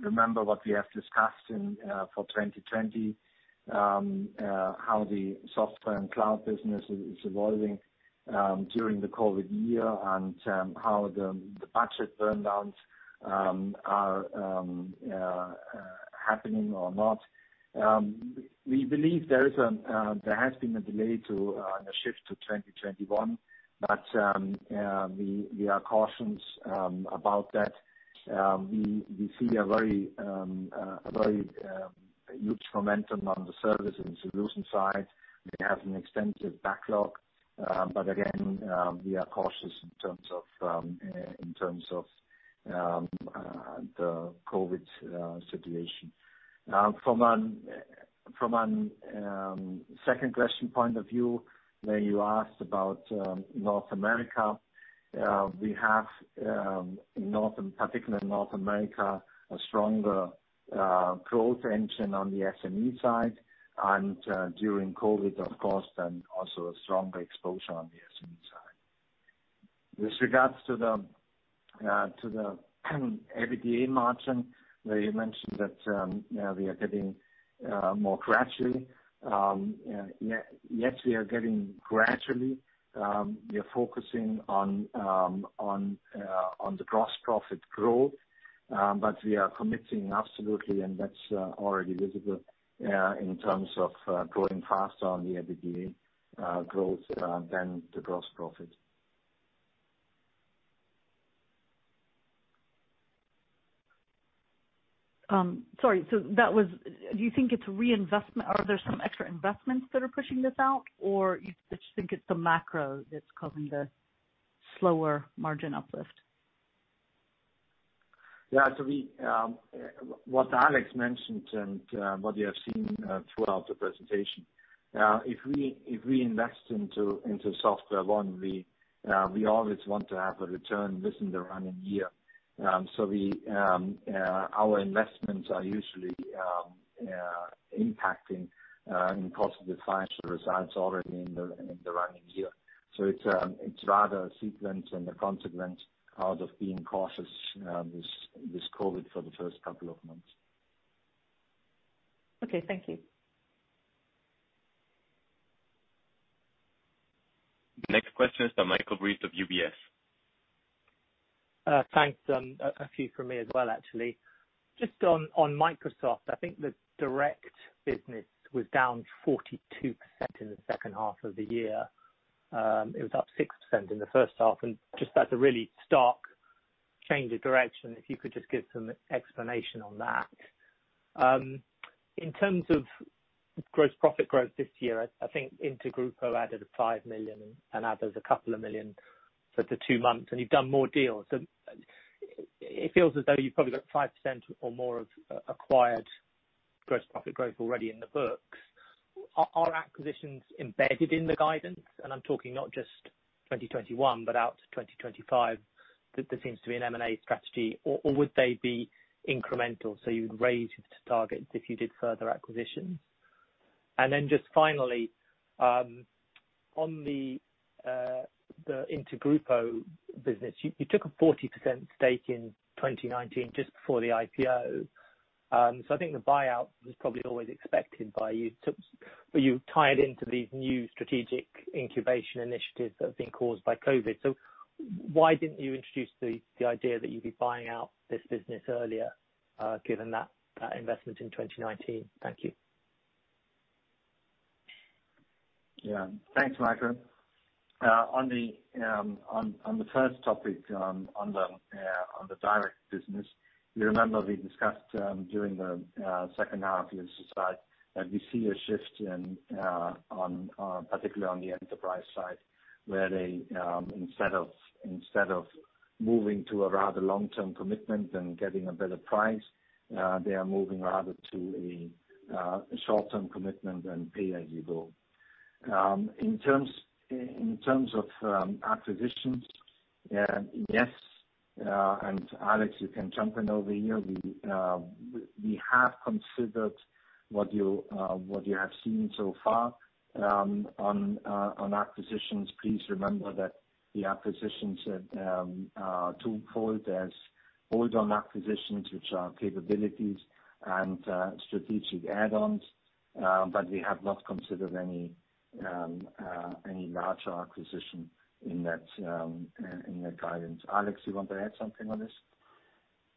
remember what we have discussed for 2020, how the software and cloud business is evolving during the COVID year, and how the budget burn downs are happening or not. We believe there has been a delay to the shift to 2021. We are cautious about that. We see a very huge momentum on the service and solution side. We have an extensive backlog. Again, we are cautious in terms of the COVID situation. From a second question point of view, where you asked about North America, we have, in particular North America, a stronger growth engine on the SME side, and during COVID, of course, and also a stronger exposure on the SME side. With regards to the EBITDA margin, where you mentioned that we are getting more gradually. Yes, we are getting gradually. We are focusing on the gross profit growth, but we are committing absolutely, and that's already visible in terms of growing faster on the EBITDA growth than the gross profit. Sorry. Do you think it's reinvestment? Are there some extra investments that are pushing this out, or you just think it's the macro that's causing the slower margin uplift? Yeah. What Alex mentioned and what you have seen throughout the presentation, if we invest into SoftwareONE, we always want to have a return within the running year. Our investments are usually impacting in positive financial results already in the running year. It's rather a sequence and a consequence out of being cautious with COVID for the first couple of months. Okay. Thank you. The next question is from Michael Briest of UBS. Thanks. A few from me as well, actually. On Microsoft, I think the direct business was down 42% in the second half of the year. It was up 6% in the first half, that's a really stark change of direction, if you could just give some explanation on that. In terms of gross profit growth this year, I think InterGrupo added 5 million and others a couple of million for the two months, you've done more deals. It feels as though you've probably got 5% or more of acquired gross profit growth already in the books. Are acquisitions embedded in the guidance? I'm talking not just 2021 but out to 2025, that there seems to be an M&A strategy. Would they be incremental, you would raise it to target if you did further acquisitions? Just finally, on the InterGrupo business, you took a 40% stake in 2019 just before the IPO. I think the buyout was probably always expected by you, but you tied into these new strategic incubation initiatives that have been caused by COVID. Why didn't you introduce the idea that you'd be buying out this business earlier, given that investment in 2019? Thank you. Thanks, Michael. On the first topic on the direct business, you remember we discussed during the second half of this slide that we see a shift particularly on the enterprise side, where they, instead of moving to a rather long-term commitment and getting a better price, they are moving rather to a short-term commitment and pay-as-you-go. In terms of acquisitions, yes, and Alex, you can jump in over here. We have considered what you have seen so far. On acquisitions, please remember that the acquisitions are twofold as add-on acquisitions, which are capabilities and strategic add-ons, but we have not considered any larger acquisition in that guidance. Alex, you want to add something on this?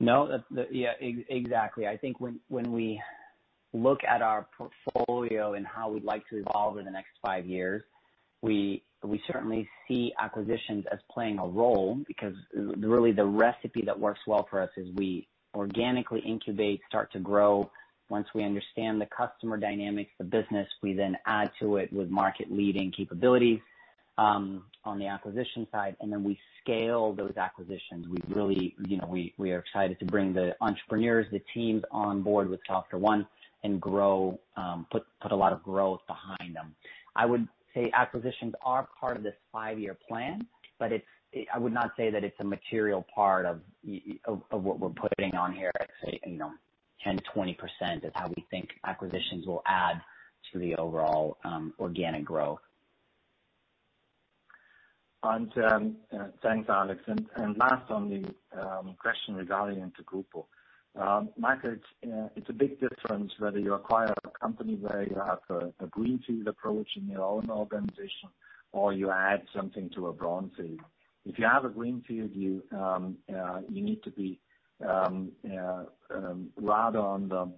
No. Yeah, exactly. I think when we look at our portfolio and how we'd like to evolve over the next five years, we certainly see acquisitions as playing a role because really the recipe that works well for us is we organically incubate, start to grow. Once we understand the customer dynamics, the business, we then add to it with market-leading capabilities on the acquisition side, and then we scale those acquisitions. We are excited to bring the entrepreneurs, the teams on board with SoftwareONE and put a lot of growth behind them. I would say acquisitions are part of this five-year plan, but I would not say that it's a material part of what we're putting on here. I'd say 10%-20% is how we think acquisitions will add to the overall organic growth. Thanks, Alex. Last on the question regarding InterGrupo. Michael, it's a big difference whether you acquire a company where you have a greenfield approach in your own organization or you add something to a brownfield. If you have a greenfield, you need to be rather on the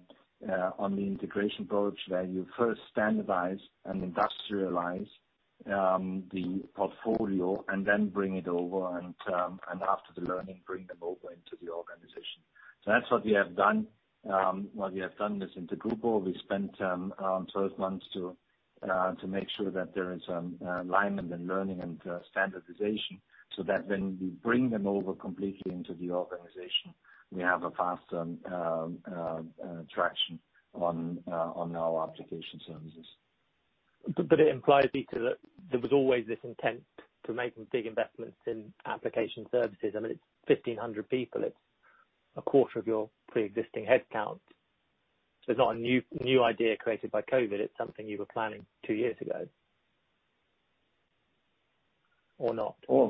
integration approach where you first standardize and industrialize the portfolio and then bring it over and, after the learning, bring them over into the organization. That's what we have done. What we have done with InterGrupo, we spent 12 months to make sure that there is alignment and learning and standardization so that when we bring them over completely into the organization, we have a faster traction on our application services. It implies, Dieter, that there was always this intent to make big investments in application services. It's 1,500 people. It's 1/4 of your preexisting headcount. It's not a new idea created by COVID. It's something you were planning two years ago. Or not? Oh,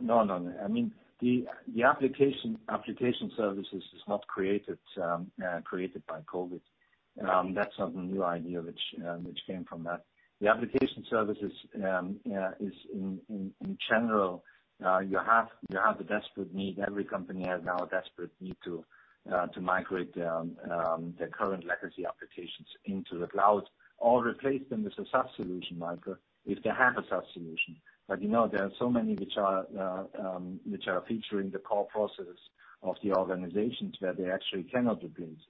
no. I mean, the application services is not created by COVID. That's not a new idea which came from that. The application services is, in general, you have the desperate need, every company has now a desperate need to migrate their current legacy applications into the cloud or replace them with a SaaS solution, Michael, if they have a SaaS solution. There are so many which are featuring the core process of the organizations where they actually cannot replace.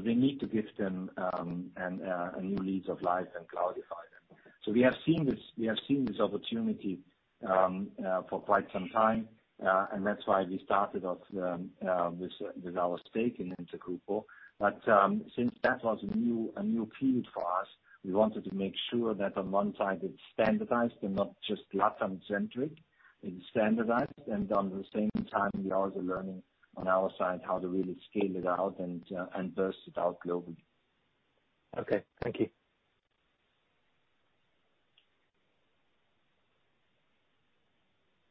They need to give them a new lease of life and cloudify them. We have seen this opportunity for quite some time, and that's why we started off with our stake in InterGrupo. Since that was a new field for us, we wanted to make sure that on one side it's standardized and not just LatAm-centric. It's standardized, and on the same time, we are also learning on our side how to really scale it out and burst it out globally. Okay. Thank you.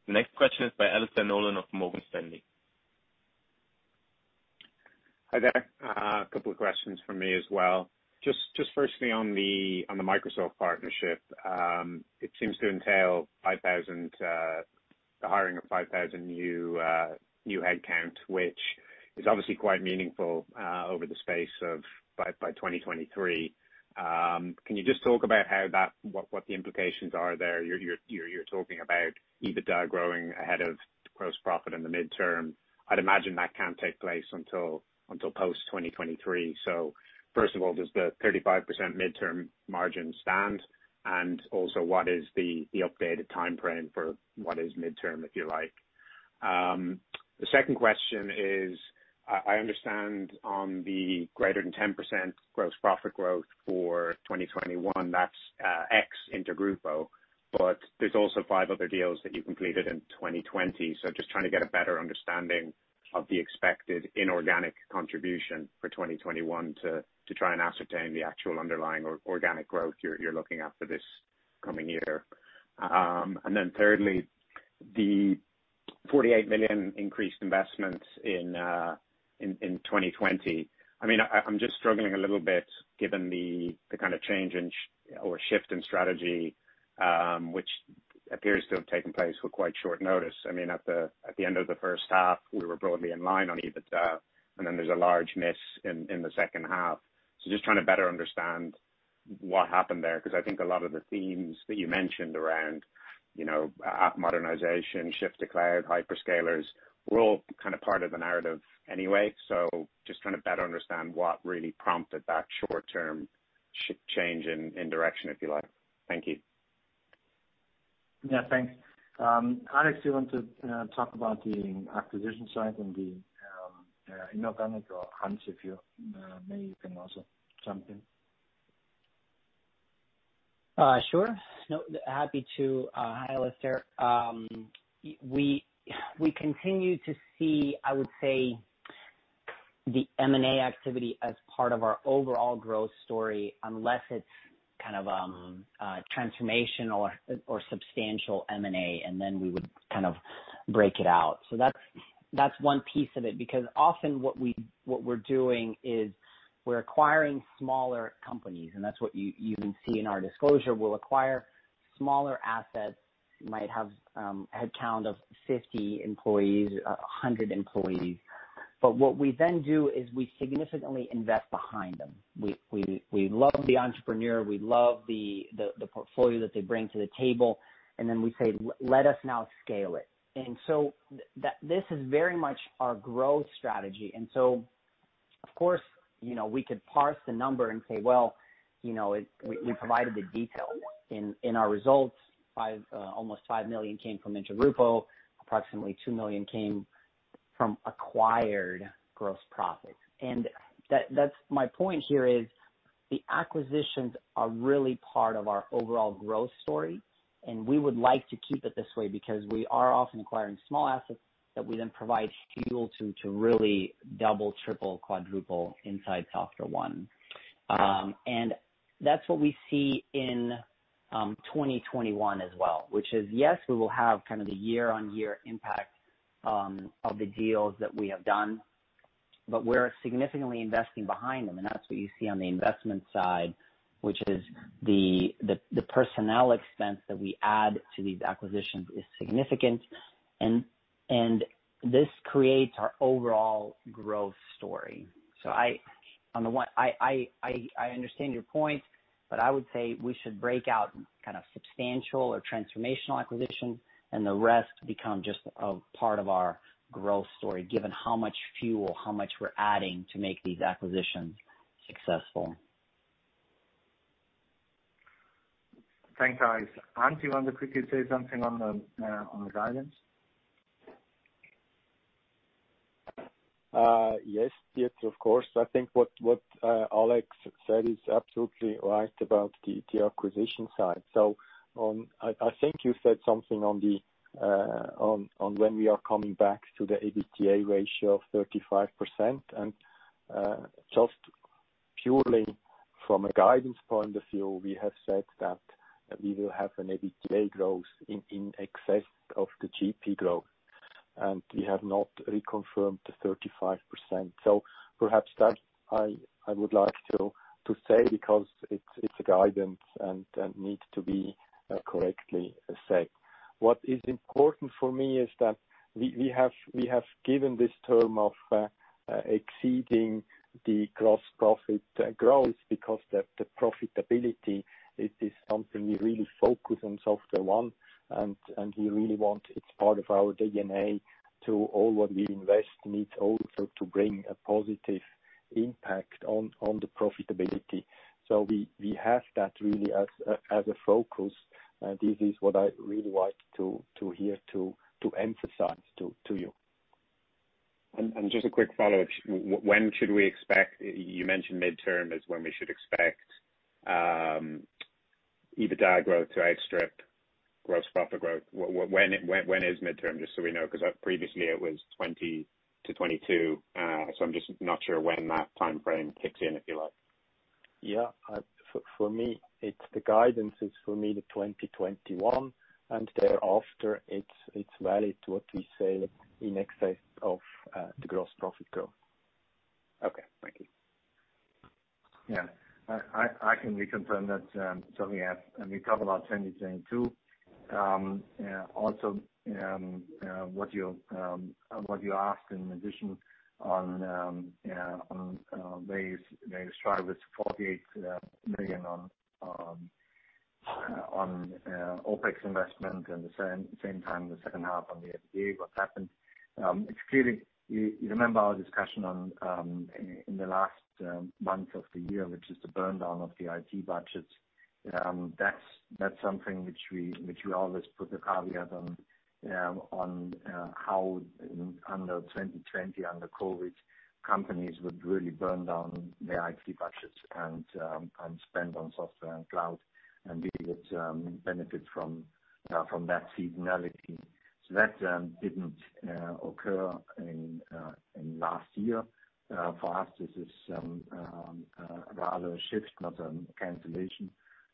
Next question is by Alastair Nolan of Morgan Stanley. Hi there. A couple of questions from me as well. Firstly on the Microsoft partnership. It seems to entail the hiring of 5,000 new headcount, which is obviously quite meaningful over the space by 2023. Can you just talk about what the implications are there? You're talking about EBITDA growing ahead of gross profit in the midterm. I'd imagine that can't take place until post 2023. First of all, does the 35% midterm margin stand? Also, what is the updated timeframe for what is midterm, if you like? The second question is, I understand on the greater than 10% gross profit growth for 2021, that's ex InterGrupo, but there's also five other deals that you completed in 2020. Just trying to get a better understanding of the expected inorganic contribution for 2021 to try and ascertain the actual underlying organic growth you're looking at for this coming year. Thirdly, the 48 million increased investments in 2020. I'm just struggling a little bit given the change or shift in strategy, which appears to have taken place with quite short notice. At the end of the first half, we were broadly in line on EBITDA, and then there's a large miss in the second half. Just trying to better understand what happened there, because I think a lot of the themes that you mentioned around app modernization, shift to cloud, hyperscalers, were all part of the narrative anyway. Just trying to better understand what really prompted that short-term shift change in direction, if you like. Thank you. Thanks. Alex, do you want to talk about the acquisition side and the inorganic growth? Hans, maybe you can also jump in. Sure. Happy to. Hi, Alastair. We continue to see, I would say, the M&A activity as part of our overall growth story, unless it's transformational or substantial M&A, then we would break it out. That's one piece of it, because often what we're doing is we're acquiring smaller companies, and that's what you can see in our disclosure. We'll acquire smaller assets, might have headcount of 50 employees, 100 employees. What we then do is we significantly invest behind them. We love the entrepreneur, we love the portfolio that they bring to the table, then we say, "Let us now scale it." This is very much our growth strategy. Of course, we could parse the number and say, well, we provided the detail in our results. Almost 5 million came from InterGrupo, approximately 2 million came from acquired gross profits. My point here is the acquisitions are really part of our overall growth story, and we would like to keep it this way because we are often acquiring small assets that we then provide fuel to really double, triple, quadruple inside SoftwareONE. That's what we see in 2021 as well, which is, yes, we will have the year-on-year impact of the deals that we have done, but we're significantly investing behind them. That's what you see on the investment side, which is the personnel expense that we add to these acquisitions is significant, and this creates our overall growth story. I understand your point, but I would say we should break out substantial or transformational acquisition, and the rest become just a part of our growth story, given how much fuel, how much we're adding to make these acquisitions successful. Thanks, guys. Hans, you want to quickly say something on the guidance? Yes, of course. I think what Alex said is absolutely right about the acquisition side. I think you said something on when we are coming back to the EBITDA ratio of 35%. Just purely from a guidance point of view, we have said that we will have an EBITDA growth in excess of the GP growth, and we have not reconfirmed the 35%. Perhaps that I would like to say because it's a guidance and needs to be correctly said. What is important for me is that we have given this term of exceeding the gross profit growth because the profitability is something we really focus on SoftwareONE, and we really want, it's part of our DNA. All what we invest needs also to bring a positive impact on the profitability. We have that really as a focus, and this is what I really like to here to emphasize to you. Just a quick follow-up. When should we expect? You mentioned midterm is when we should expect EBITDA growth to outstrip gross profit growth. When is midterm, just so we know? Previously it was 2020-2022. I'm just not sure when that timeframe kicks in, if you like. For me, it's the guidance is for me the 2021 and thereafter it's valid to what we say in excess of the gross profit growth. Okay. Thank you. Yeah. I can reconfirm that, certainly. We covered our 2020 too. Also what you asked in addition on RISE with SAP with CHF 48 million on OpEx investment. The same time, the second half on the FTEs, what's happened. It's clearly, you remember our discussion in the last month of the year, which is the burn down of the IT budgets. That's something which we always put the caveat on how under 2020, under COVID, companies would really burn down their IT budgets and spend on software and cloud. We would benefit from that seasonality. That didn't occur in last year. For us, this is rather a shift, not a cancellation.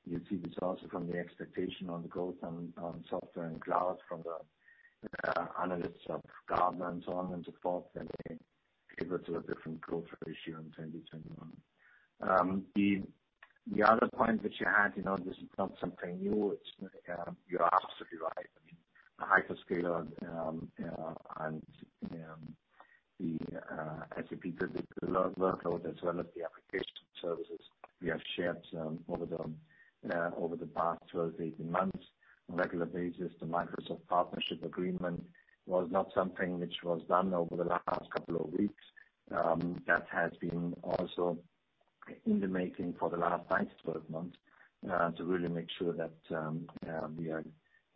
You see this also from the expectation on the growth on software and cloud from the analysts of Gartner and so on and so forth. They give it to a different growth ratio in 2021. The other point which you had, this is not something new. You're absolutely right. I mean, the hyperscaler and the SAP workload as well as the application services we have shared over the past 12, 18 months on a regular basis. The Microsoft partnership agreement was not something which was done over the last couple of weeks. That has been also in the making for the last 9-12 months, to really make sure that we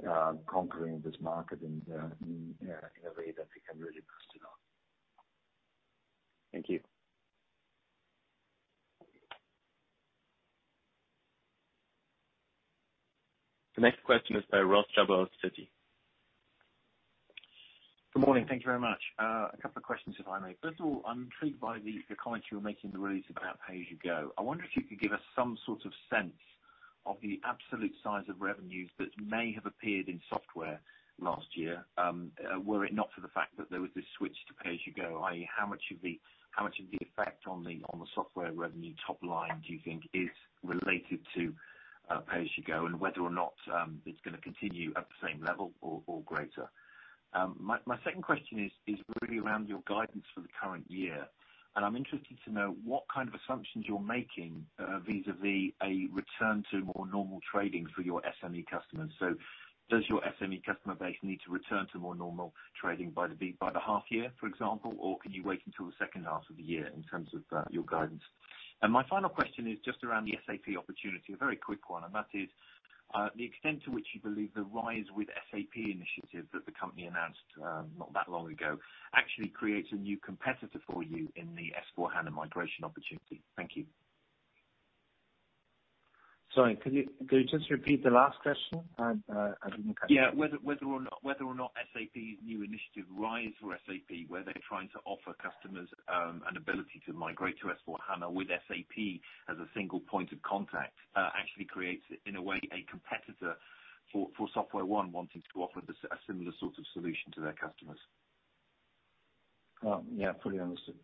are conquering this market in a way that we can really boost it up. Thank you. The next question is by Ross Jobber, Citi. Good morning. Thank you very much. A couple of questions, if I may. First of all, I'm intrigued by the comments you were making in the release about pay-as-you-go. I wonder if you could give us some sort of sense of the absolute size of revenues that may have appeared in software last year, were it not for the fact that there was this switch to pay-as-you-go, i.e., how much of the effect on the software revenue top line do you think is related to pay-as-you-go and whether or not it's going to continue at the same level or greater? My second question is really around your guidance for the current year, and I'm interested to know what kind of assumptions you're making vis-a-vis a return to more normal trading for your SME customers. Does your SME customer base need to return to more normal trading by the half year, for example, or can you wait until the second half of the year in terms of your guidance? My final question is just around the SAP opportunity, a very quick one, and that is the extent to which you believe the RISE with SAP initiative that the company announced not that long ago actually creates a new competitor for you in the S/4HANA migration opportunity. Thank you. Sorry, could you just repeat the last question? I didn't- Whether or not SAP's new initiative, RISE with SAP, where they're trying to offer customers an ability to migrate to S/4HANA with SAP as a single point of contact actually creates, in a way, a competitor for SoftwareONE wanting to offer a similar sort of solution to their customers. Oh, yeah, fully understood.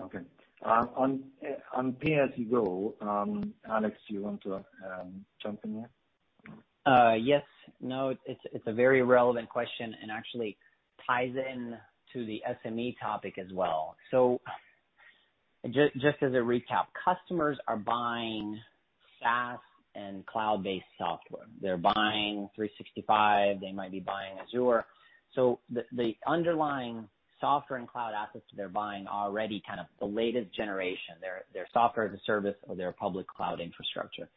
Okay. On pay-as-you-go, Alex, do you want to jump in here? Yes. No, it's a very relevant question and actually ties in to the SME topic as well. Just as a recap, customers are buying SaaS and cloud-based software. They're buying 365. They might be buying Azure. The underlying software and cloud assets they're buying are already kind of the latest generation. They're Software as a Service or they're public cloud infrastructure.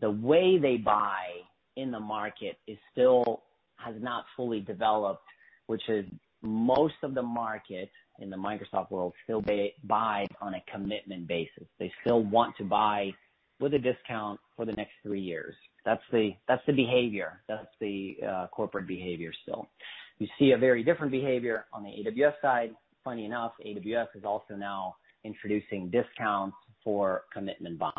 The way they buy in the market still has not fully developed, which is most of the market in the Microsoft world still buy on a commitment basis. They still want to buy with a discount for the next three years. That's the behavior. That's the corporate behavior still. You see a very different behavior on the AWS side. Funny enough, AWS is also now introducing discounts for commitment buying.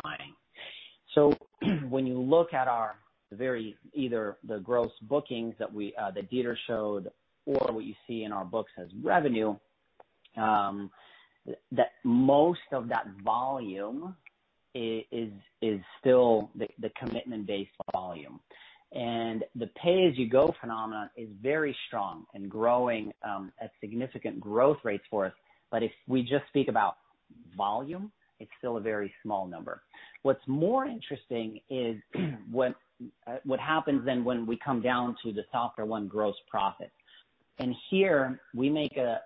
When you look at our very, either the gross bookings that Dieter showed or what you see in our books as revenue, most of that volume is still the commitment-based volume. The pay-as-you-go phenomenon is very strong and growing at significant growth rates for us. If we just speak about volume, it is still a very small number. What is more interesting is what happens then when we come down to the SoftwareONE gross profit. Here we make a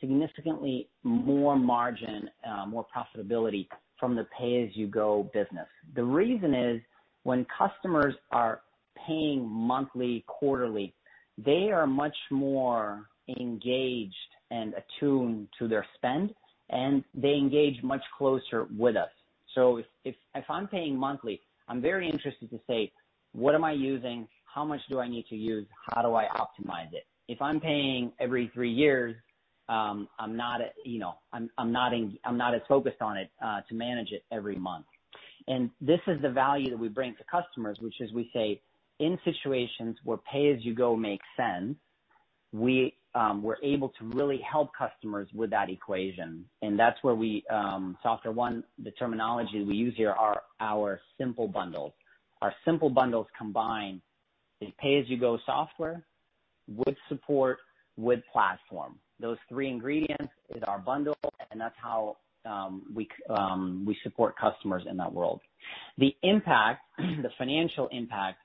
significantly more margin, more profitability from the pay-as-you-go business. The reason is, when customers are paying monthly, quarterly, they are much more engaged and attuned to their spend, and they engage much closer with us. If I am paying monthly, I am very interested to say, "What am I using? How much do I need to use? How do I optimize it? If I'm paying every three years, I'm not as focused on it to manage it every month. This is the value that we bring to customers, which is we say, in situations where pay-as-you-go makes sense. We were able to really help customers with that equation, and that's where SoftwareONE, the terminology we use here are our simple bundles. Our simple bundles combine the pay-as-you-go software with support, with platform. Those three ingredients is our bundle, and that's how we support customers in that world. The financial impact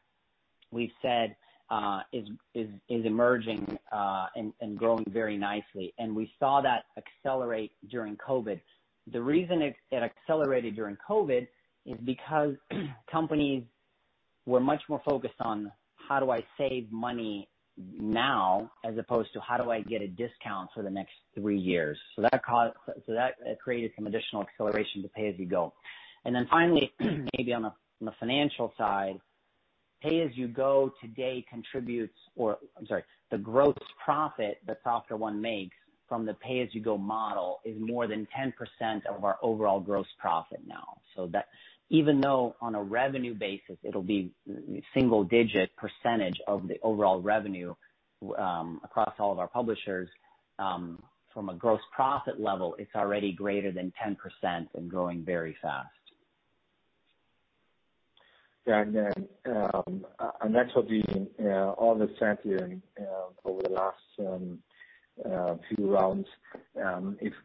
we've said is emerging and growing very nicely. We saw that accelerate during COVID. The reason it accelerated during COVID is because companies were much more focused on how do I save money now, as opposed to how do I get a discount for the next three years. That created some additional acceleration to pay-as-you-go. Finally, maybe on the financial side, the gross profit that SoftwareONE makes from the pay-as-you-go model is more than 10% of our overall gross profit now. Even though on a revenue basis, it'll be single-digit percentage of the overall revenue across all of our publishers, from a gross profit level, it's already greater than 10% and growing very fast. Yeah. That's what we all have said here over the last few rounds.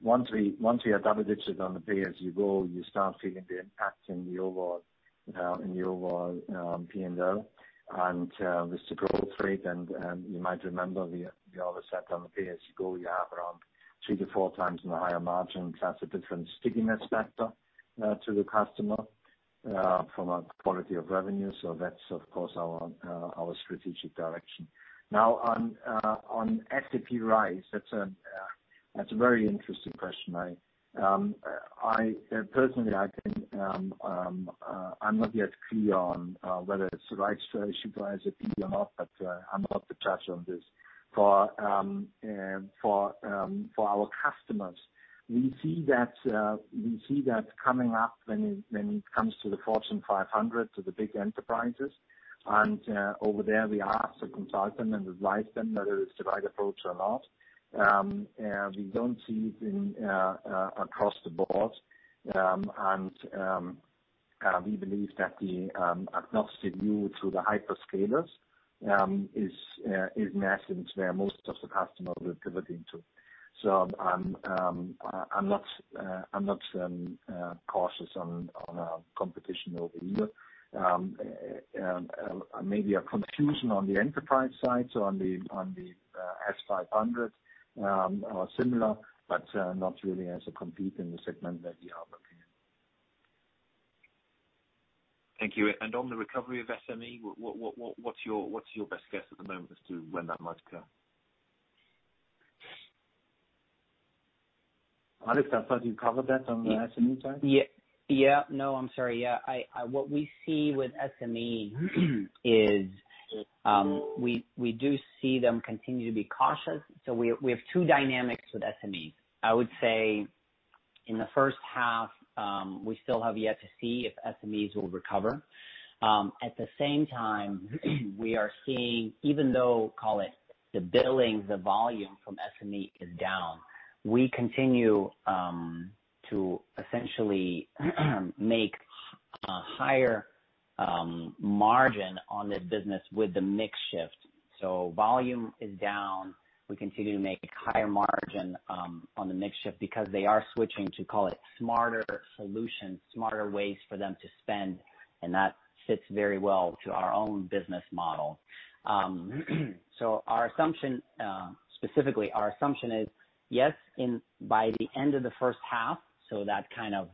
Once we are double digits on the pay-as-you-go, you start feeling the impact in the overall P&L. With the growth rate, and you might remember, we always said on the pay-as-you-go, you have around 3x-4x in the higher margins. That's a different stickiness factor to the customer from a quality of revenue. That's, of course, our strategic direction. On SAP RISE, that's a very interesting question. Personally, I'm not yet clear on whether it's the right strategy for SAP or not, but I'm not the judge on this. For our customers, we see that coming up when it comes to the Fortune 500, to the big enterprises. Over there, we ask the consultant and advise them whether it's the right approach or not. We don't see it across the board. We believe that the agnostic view to the hyperscalers is nascent where most of the customers are pivoting to. I'm not cautious on our competition over here. Maybe a confusion on the enterprise side, so on the S500 or similar, but not really as a compete in the segment that we are working in. Thank you. On the recovery of SME, what's your best guess at the moment as to when that might occur? Alex, I thought you covered that on the SME side. Yeah. No, I'm sorry. What we see with SME is we do see them continue to be cautious. We have two dynamics with SME. I would say in the first half, we still have yet to see if SMEs will recover. At the same time, we are seeing, even though, call it the billing, the volume from SME is down, we continue to essentially make a higher margin on the business with the mix shift. Volume is down. We continue to make higher margin on the mix shift because they are switching to, call it smarter solutions, smarter ways for them to spend, and that fits very well to our own business model. Specifically, our assumption is, yes, by the end of the first half, so that kind of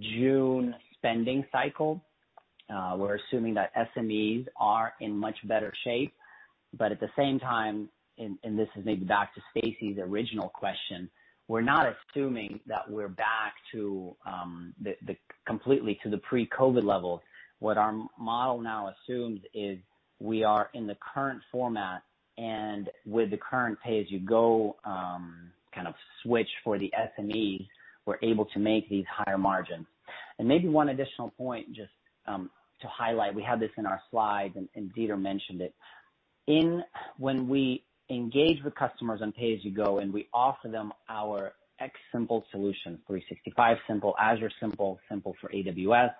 June spending cycle, we're assuming that SMEs are in much better shape. At the same time, and this is maybe back to Stacy's original question, we're not assuming that we're back completely to the pre-COVID level. What our model now assumes is we are in the current format, and with the current pay-as-you-go switch for the SME, we're able to make these higher margins. Maybe one additional point just to highlight, we have this in our slides, and Dieter mentioned it. When we engage with customers on pay-as-you-go and we offer them our X-Simple solution, 365Simple, AzureSimple, Simple for AWS,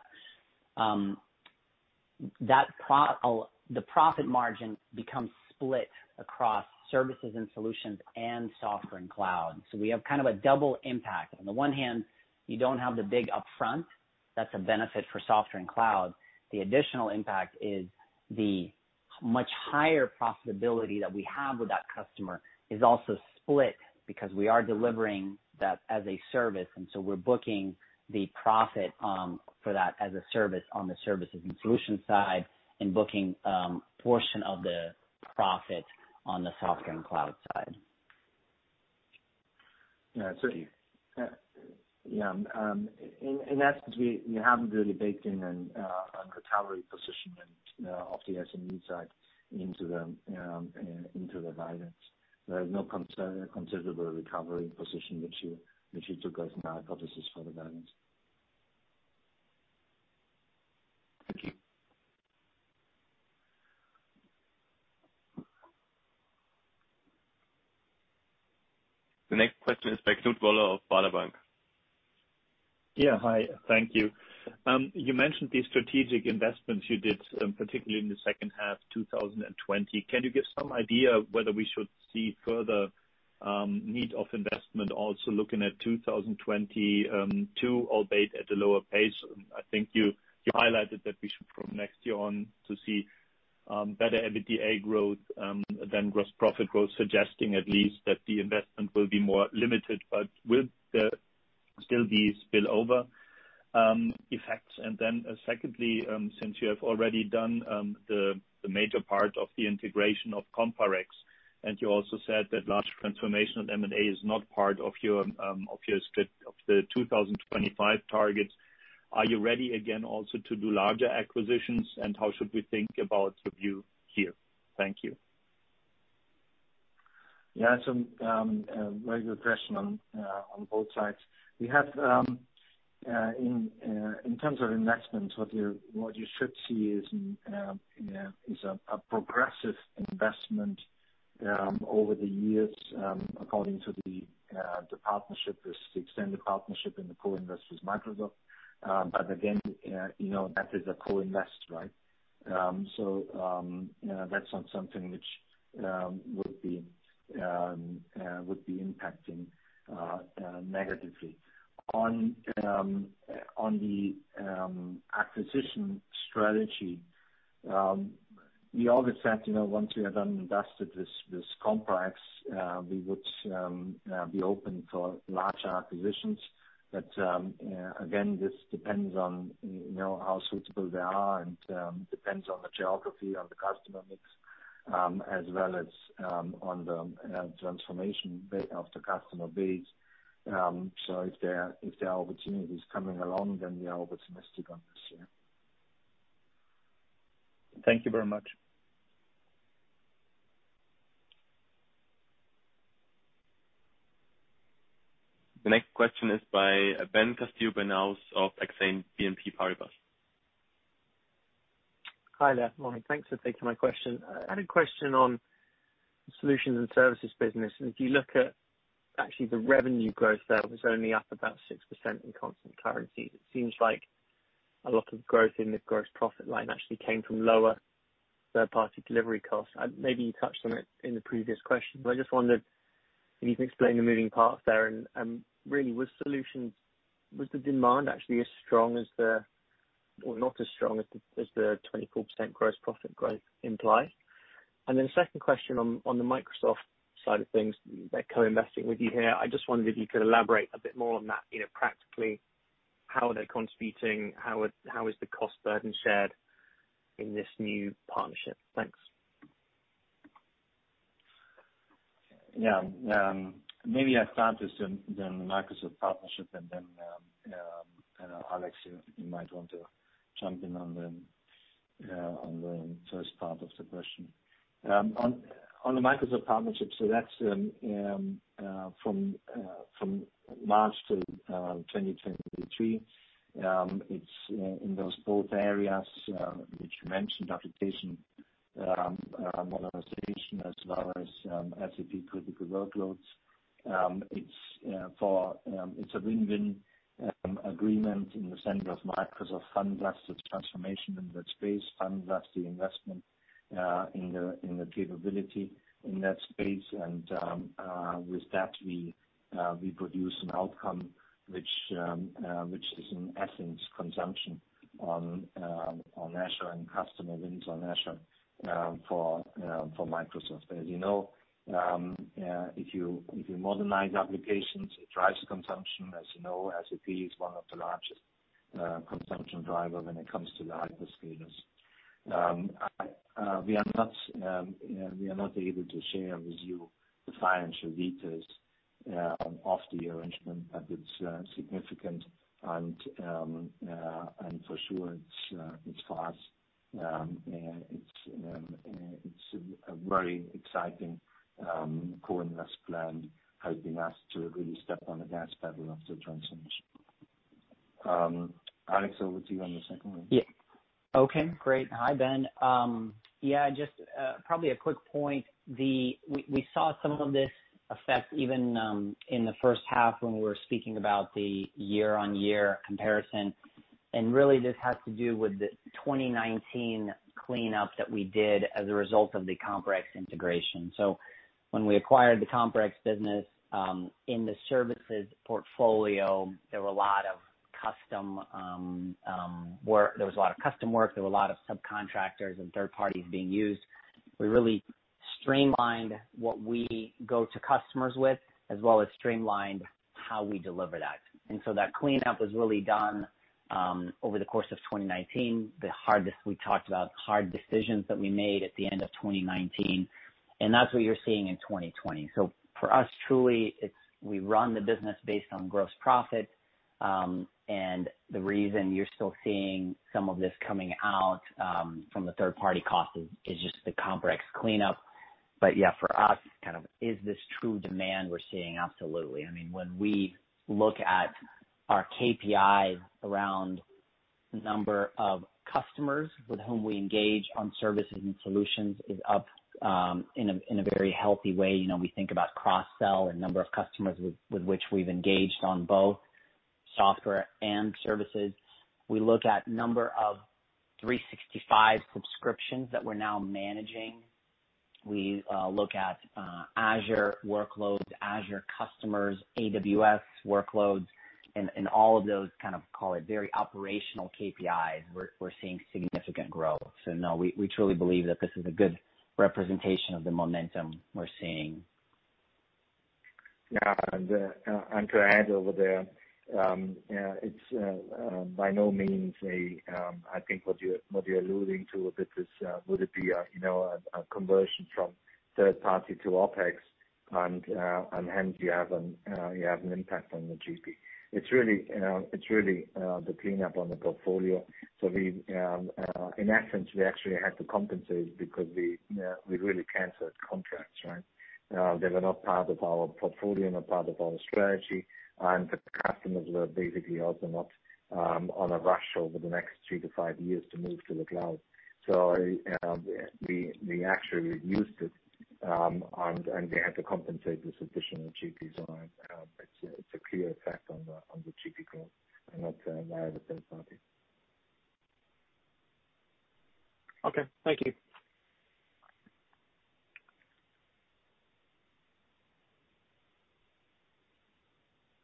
the profit margin becomes split across services and solutions and software and cloud. We have kind of a double impact. On the one hand, you don't have the big upfront. That's a benefit for software and cloud. The additional impact is the much higher profitability that we have with that customer is also split because we are delivering that as a service. We're booking the profit for that as a service on the services and solutions side and booking portion of the profit on the software and cloud side. Yeah. In essence, we haven't really baked in a recovery position of the SME side into the guidance. There is no considerable recovery position, which we took as an hypothesis for the guidance. The next question is by Knut Woller of Baader Bank. Hi, thank you. You mentioned the strategic investments you did, particularly in the second half 2020. Can you give some idea whether we should see further need of investment also looking at 2022, albeit at a lower pace? I think you highlighted that we should, from next year on, see better EBITDA growth than gross profit growth, suggesting at least that the investment will be more limited, but will there still be spillover effects? Secondly, since you have already done the major part of the integration of COMPAREX, and you also said that large transformation of M&A is not part of your split of the 2025 targets. Are you ready again also to do larger acquisitions? How should we think about your view here? Thank you. Yeah. It's a very good question on both sides. In terms of investments, what you should see is a progressive investment over the years, according to the extended partnership and the co-invest with Microsoft. Again, that is a co-invest, right? That's not something which would be impacting negatively. On the acquisition strategy, we always said, once we have digested COMPAREX, we would be open for larger acquisitions. Again, this depends on how suitable they are and depends on the geography of the customer mix, as well as on the transformation of the customer base. If the opportunity is coming along, then we are optimistic on this, yeah. Thank you very much. The next question is by Ben Castillo-Bernaus of Exane BNP Paribas. Hi there. Morning. Thanks for taking my question. I had a question on solutions and services business. If you look at actually the revenue growth there was only up about 6% in constant currency. It seems like a lot of growth in the gross profit line actually came from lower third-party delivery costs. Maybe you touched on it in the previous question, I just wondered if you can explain the moving parts there, and really with solutions, was the demand actually as strong as the, or not as strong as the 24% gross profit growth implies? Then second question on the Microsoft side of things. They're co-investing with you here. I just wondered if you could elaborate a bit more on that, practically, how are they contributing, how is the cost burden shared in this new partnership? Thanks. Yeah. Maybe I start with the Microsoft partnership, and then, Alex, you might want to jump in on the first part of the question. On the Microsoft partnership, so that's from March to 2023. It's in those both areas, which you mentioned, application modernization as well as SAP critical workloads. It's a win-win agreement in the sense that Microsoft funds us the transformation in that space, funds us the investment in the capability in that space. With that, we produce an outcome which is in essence consumption on Azure and customer wins on Azure for Microsoft. As you know, if you modernize applications, it drives consumption. As you know, SAP is one of the largest consumption driver when it comes to the hyperscalers. We are not able to share with you the financial details of the arrangement, but it's significant and for sure it's fast. It's a very exciting co-invest plan, helping us to really step on the gas pedal of the transformation. Alex, over to you on the second one. Okay, great. Hi, Ben. Just probably a quick point. We saw some of this effect even in the first half when we were speaking about the year-on-year comparison. Really this has to do with the 2019 cleanup that we did as a result of the COMPAREX integration. When we acquired the COMPAREX business, in the services portfolio, there was a lot of custom work, there were a lot of subcontractors and third-parties being used. We really streamlined what we go to customers with, as well as streamlined how we deliver that. That cleanup was really done over the course of 2019. We talked about hard decisions that we made at the end of 2019, and that's what you're seeing in 2020. For us, truly, we run the business based on gross profit. The reason you're still seeing some of this coming out from the third-party cost is just the COMPAREX cleanup. Yeah, for us, is this true demand we're seeing? Absolutely. When we look at our KPIs around the number of customers with whom we engage on services and solutions is up in a very healthy way. We think about cross-sell and number of customers with which we've engaged on both software and services. We look at number of 365 subscriptions that we're now managing. We look at Azure workloads, Azure customers, AWS workloads, and all of those call it very operational KPIs. We're seeing significant growth. No, we truly believe that this is a good representation of the momentum we're seeing. Yeah. To add over there, it's by no means I think what you're alluding to a bit is, would it be a conversion from third-party to OpEx? Hence, you have an impact on the GP. It's really the cleanup on the portfolio. In essence, we actually had to compensate because we really canceled contracts, right? They were not part of our portfolio, not part of our strategy. The customers were basically also not on a rush over the next three to five years to move to the cloud. We actually reduced it, and we had to compensate this additional GP. It's a clear effect on the GP growth and not a third-party. Okay. Thank you.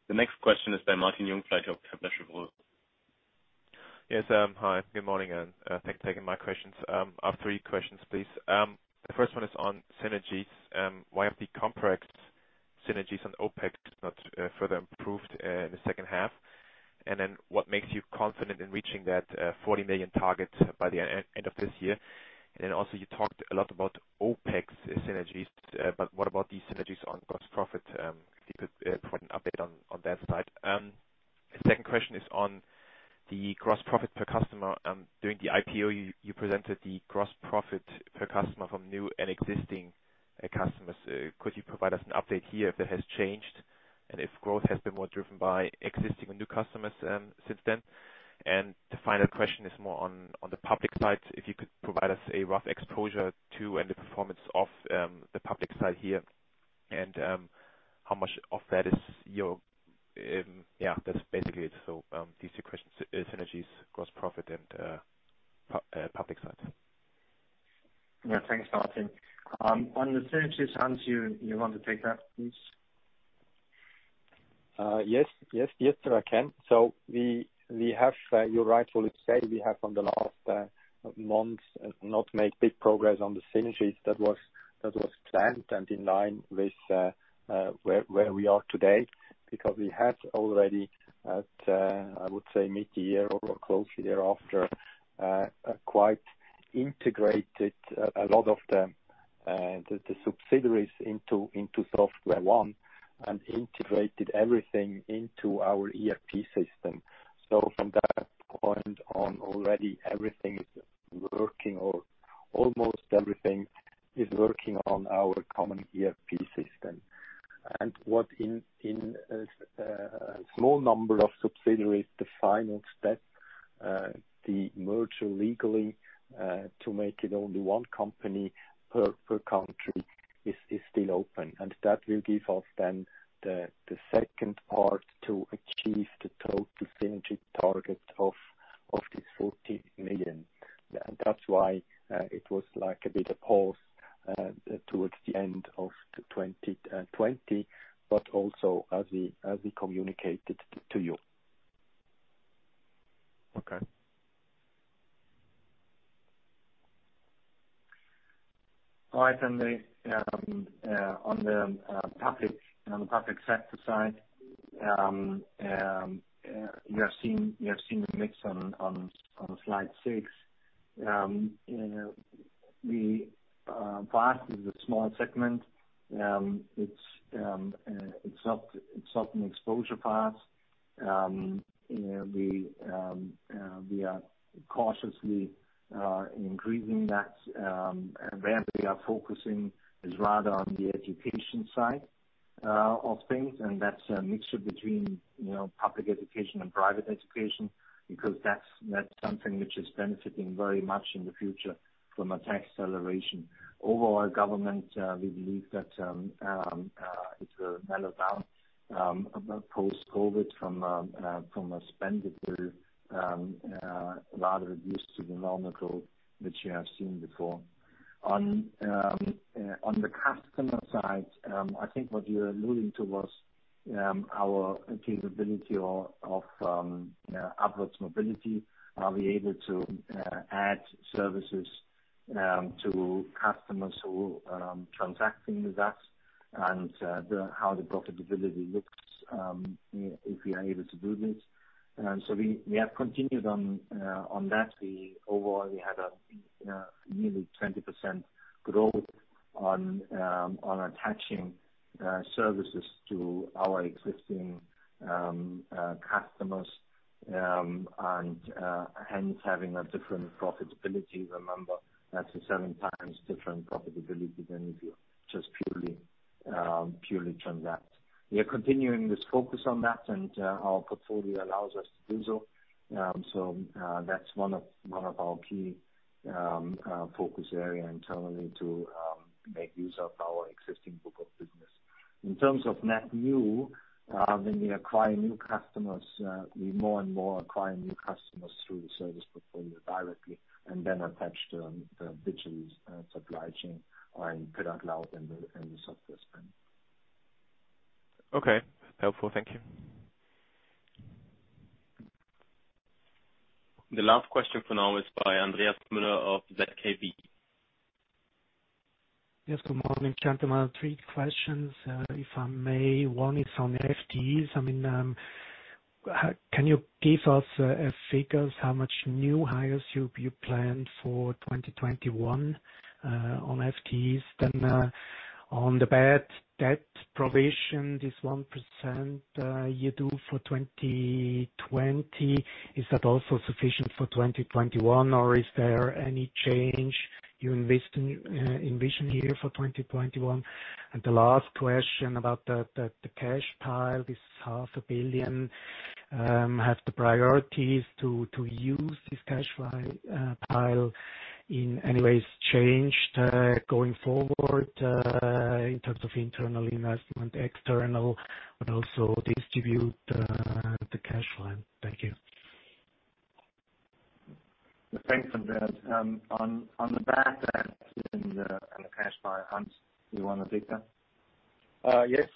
The next question is by Martin Jungfleisch from Kepler Cheuvreux. Yes. Hi, good morning. Thanks for taking my questions. I have three questions, please. The first one is on synergies. Why have the contract synergies on OpEx not further improved in the second half? What makes you confident in reaching that 40 million target by the end of this year? Also, you talked a lot about OpEx synergies, but what about these synergies on gross profit? If you could put an update on that side. The second question is on the gross profit per customer. During the IPO, you presented the gross profit per customer from new and existing customers. Could you provide us an update here if that has changed and if growth has been more driven by existing or new customers since then? The final question is more on the public side. If you could provide us a rough exposure to and the performance of the public side here. That's basically it. These are the questions, synergies, gross profit, and public side. Yeah. Thanks, Martin. On the synergies, Hans, you want to take that, please? Yes, sir. I can. You rightfully say we have on the last months not made big progress on the synergies that was planned and in line with where we are today, because we had already at, I would say mid-year or closely thereafter, quite integrated a lot of the subsidiaries into SoftwareONE and integrated everything into our ERP system. From that point on, already everything is working, or almost everything is working on our common ERP system. What in a small number of subsidiaries, the final step, the merger legally, to make it only one company per country is still open. That will give us then the second part to achieve the total synergy target of 40 million. That's why it was like a bit of pause towards the end of 2020, but also as we communicated to you. Okay. On the public sector side, you have seen the mix on slide six. We with a small segment. It's up in exposure part. We are cautiously increasing that. Where we are focusing is rather on the education side of things, and that's a mixture between public education and private education, because that's something which is benefiting very much in the future from a tech acceleration. Overall government, we believe that it will mellow down, post-COVID from a spend point of view, rather reduce to the normal growth which you have seen before. On the customer side, I think what you're alluding to was our capability of upwards mobility. Are we able to add services to customers who are transacting with us, and how the profitability looks if we are able to do this? We have continued on that. Overall, we had nearly 20% growth on attaching services to our existing customers. Hence having a different profitability. Remember, that's a 7x different profitability than if you just purely transact. We are continuing this focus on that. Our portfolio allows us to do so. That's one of our key focus areas internally to make use of our existing book of business. In terms of net new, when we acquire new customers, we more and more acquire new customers through the service portfolio directly. Then attach the digital supply chain or in product cloud and the software spend. Okay. Helpful. Thank you. The last question for now is by Andreas Müller of ZKB. Yes, good morning, gentlemen. Three questions, if I may. One is on FTEs. Can you give us figures how much new hires you plan for 2021, on FTEs? On the bad debt provision, this 1% you do for 2020, is that also sufficient for 2021 or is there any change you envision here for 2021? The last question about the cash pile, this 500 million. Have the priorities to use this cash pile in any ways changed, going forward, in terms of internal investment, external, but also distribute the cash line? Thank you. Thanks, Andreas. On the bad debt and the cash pile, Hans, do you want to take that? Yes.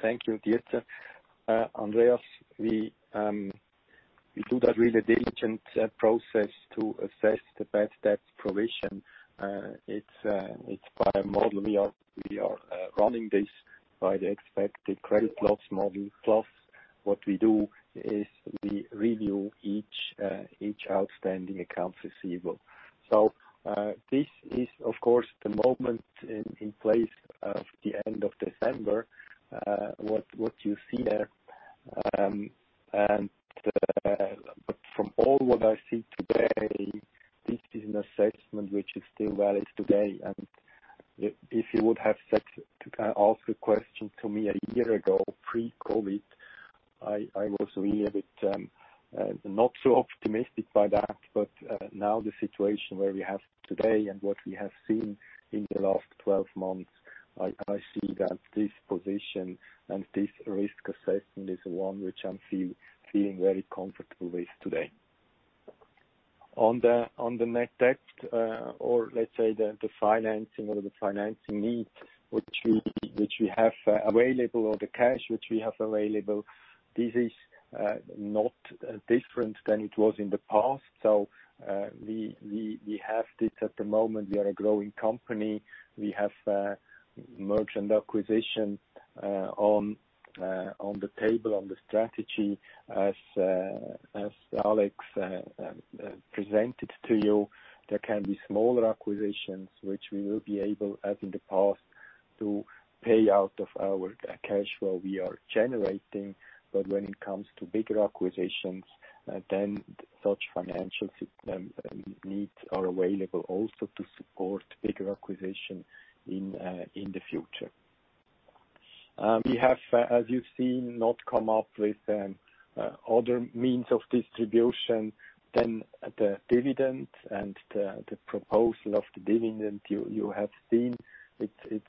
Thank you, Dieter. Andreas, we do that really diligent process to assess the bad debt provision. It's by model. We are running this by the expected credit loss model. Plus, what we do is we review each outstanding account receivable. This is, of course, the moment in place of the end of December, what you see there. From all what I see today, this is an assessment which is still valid today. If you would have asked the question to me a year ago, pre-COVID, I was really a bit not so optimistic by that. Now the situation where we have today and what we have seen in the last 12 months, I see that this position and this risk assessment is one which I'm feeling very comfortable with today. On the net debt, or let's say the financing or the financing needs which we have available, or the cash which we have available, this is not different than it was in the past. We have this at the moment. We are a growing company. We have merchant acquisition on the table, on the strategy, as Alex presented to you. There can be smaller acquisitions which we will be able, as in the past, to pay out of our cash flow we are generating. When it comes to bigger acquisitions, such financial needs are available also to support bigger acquisition in the future. We have, as you've seen, not come up with other means of distribution than the dividend and the proposal of the dividend. You have seen it's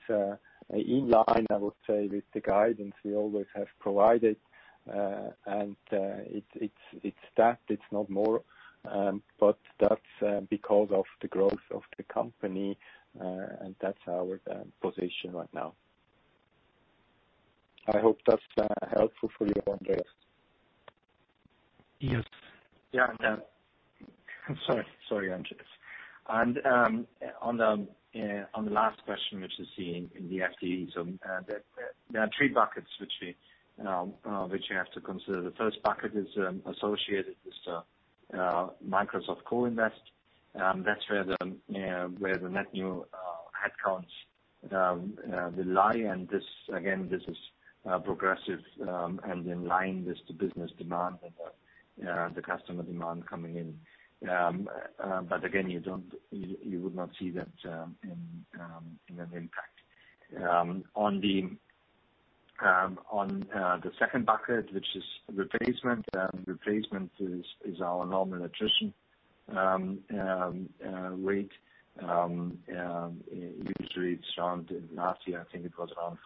in line, I would say, with the guidance we always have provided. It's that, it's not more. That's because of the growth of the company, and that's our position right now. I hope that's helpful for you, Andreas. Yes. Yeah. Sorry, Andreas. On the last question, which is in the FTEs. There are three buckets which you have to consider. The first bucket is associated with Microsoft co-invest. That's where the net new headcounts they lie, and, again, this is progressive and in line with the business demand and the customer demand coming in. Again, you would not see that in an impact. On the second bucket, which is replacement. Replacement is our normal attrition rate. Usually it's around, last year, I think it was around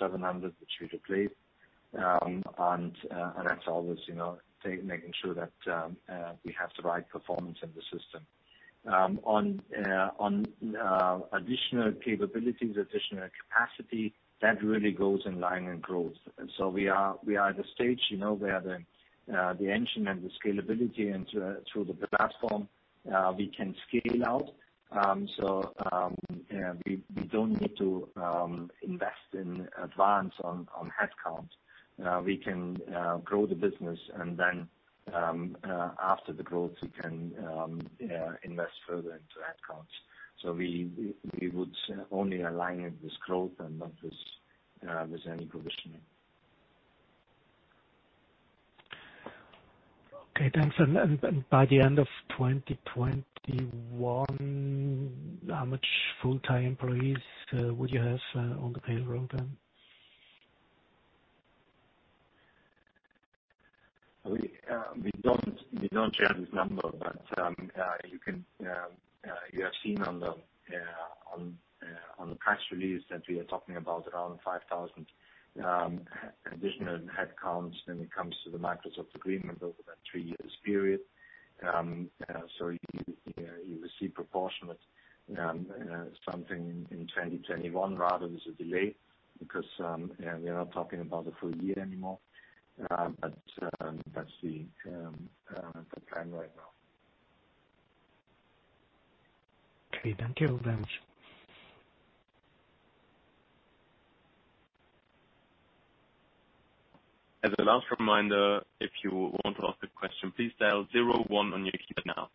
500-700, which we deplete. That's always making sure that we have the right performance in the system. On additional capabilities, additional capacity, that really goes in line in growth. We are at a stage where the engine and the scalability and through the platform, we can scale out. We don't need to invest in advance on headcounts. We can grow the business and then after the growth, we can invest further into headcounts. We would only align it with growth and not with any provisioning. Okay, thanks. By the end of 2021, how much full-time employees will you have on the payroll then? We don't share this number, you have seen on the press release that we are talking about around 5,000 additional headcounts when it comes to the Microsoft agreement over that three years period. You will see proportionate something in 2021 rather than a delay because we are not talking about the full year anymore. That's the plan right now. Okay. Thank you very much. As a last reminder, if you want to ask a question, please dial zero one on your keypad now.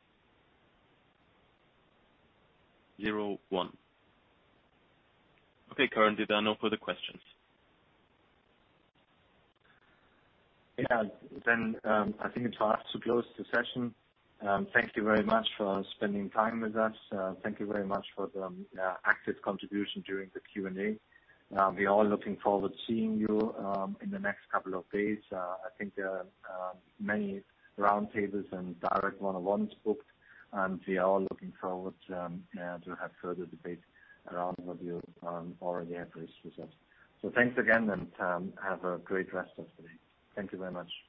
Zero one. Okay, currently there are no further questions. Yeah. I think it's for us to close the session. Thank you very much for spending time with us. Thank you very much for the active contribution during the Q&A. We are all looking forward to seeing you in the next couple of days. I think there are many roundtables and direct one-on-ones booked. We are all looking forward to have further debates around with you on all the. Thanks again. Have a great rest of today. Thank you very much. Bye.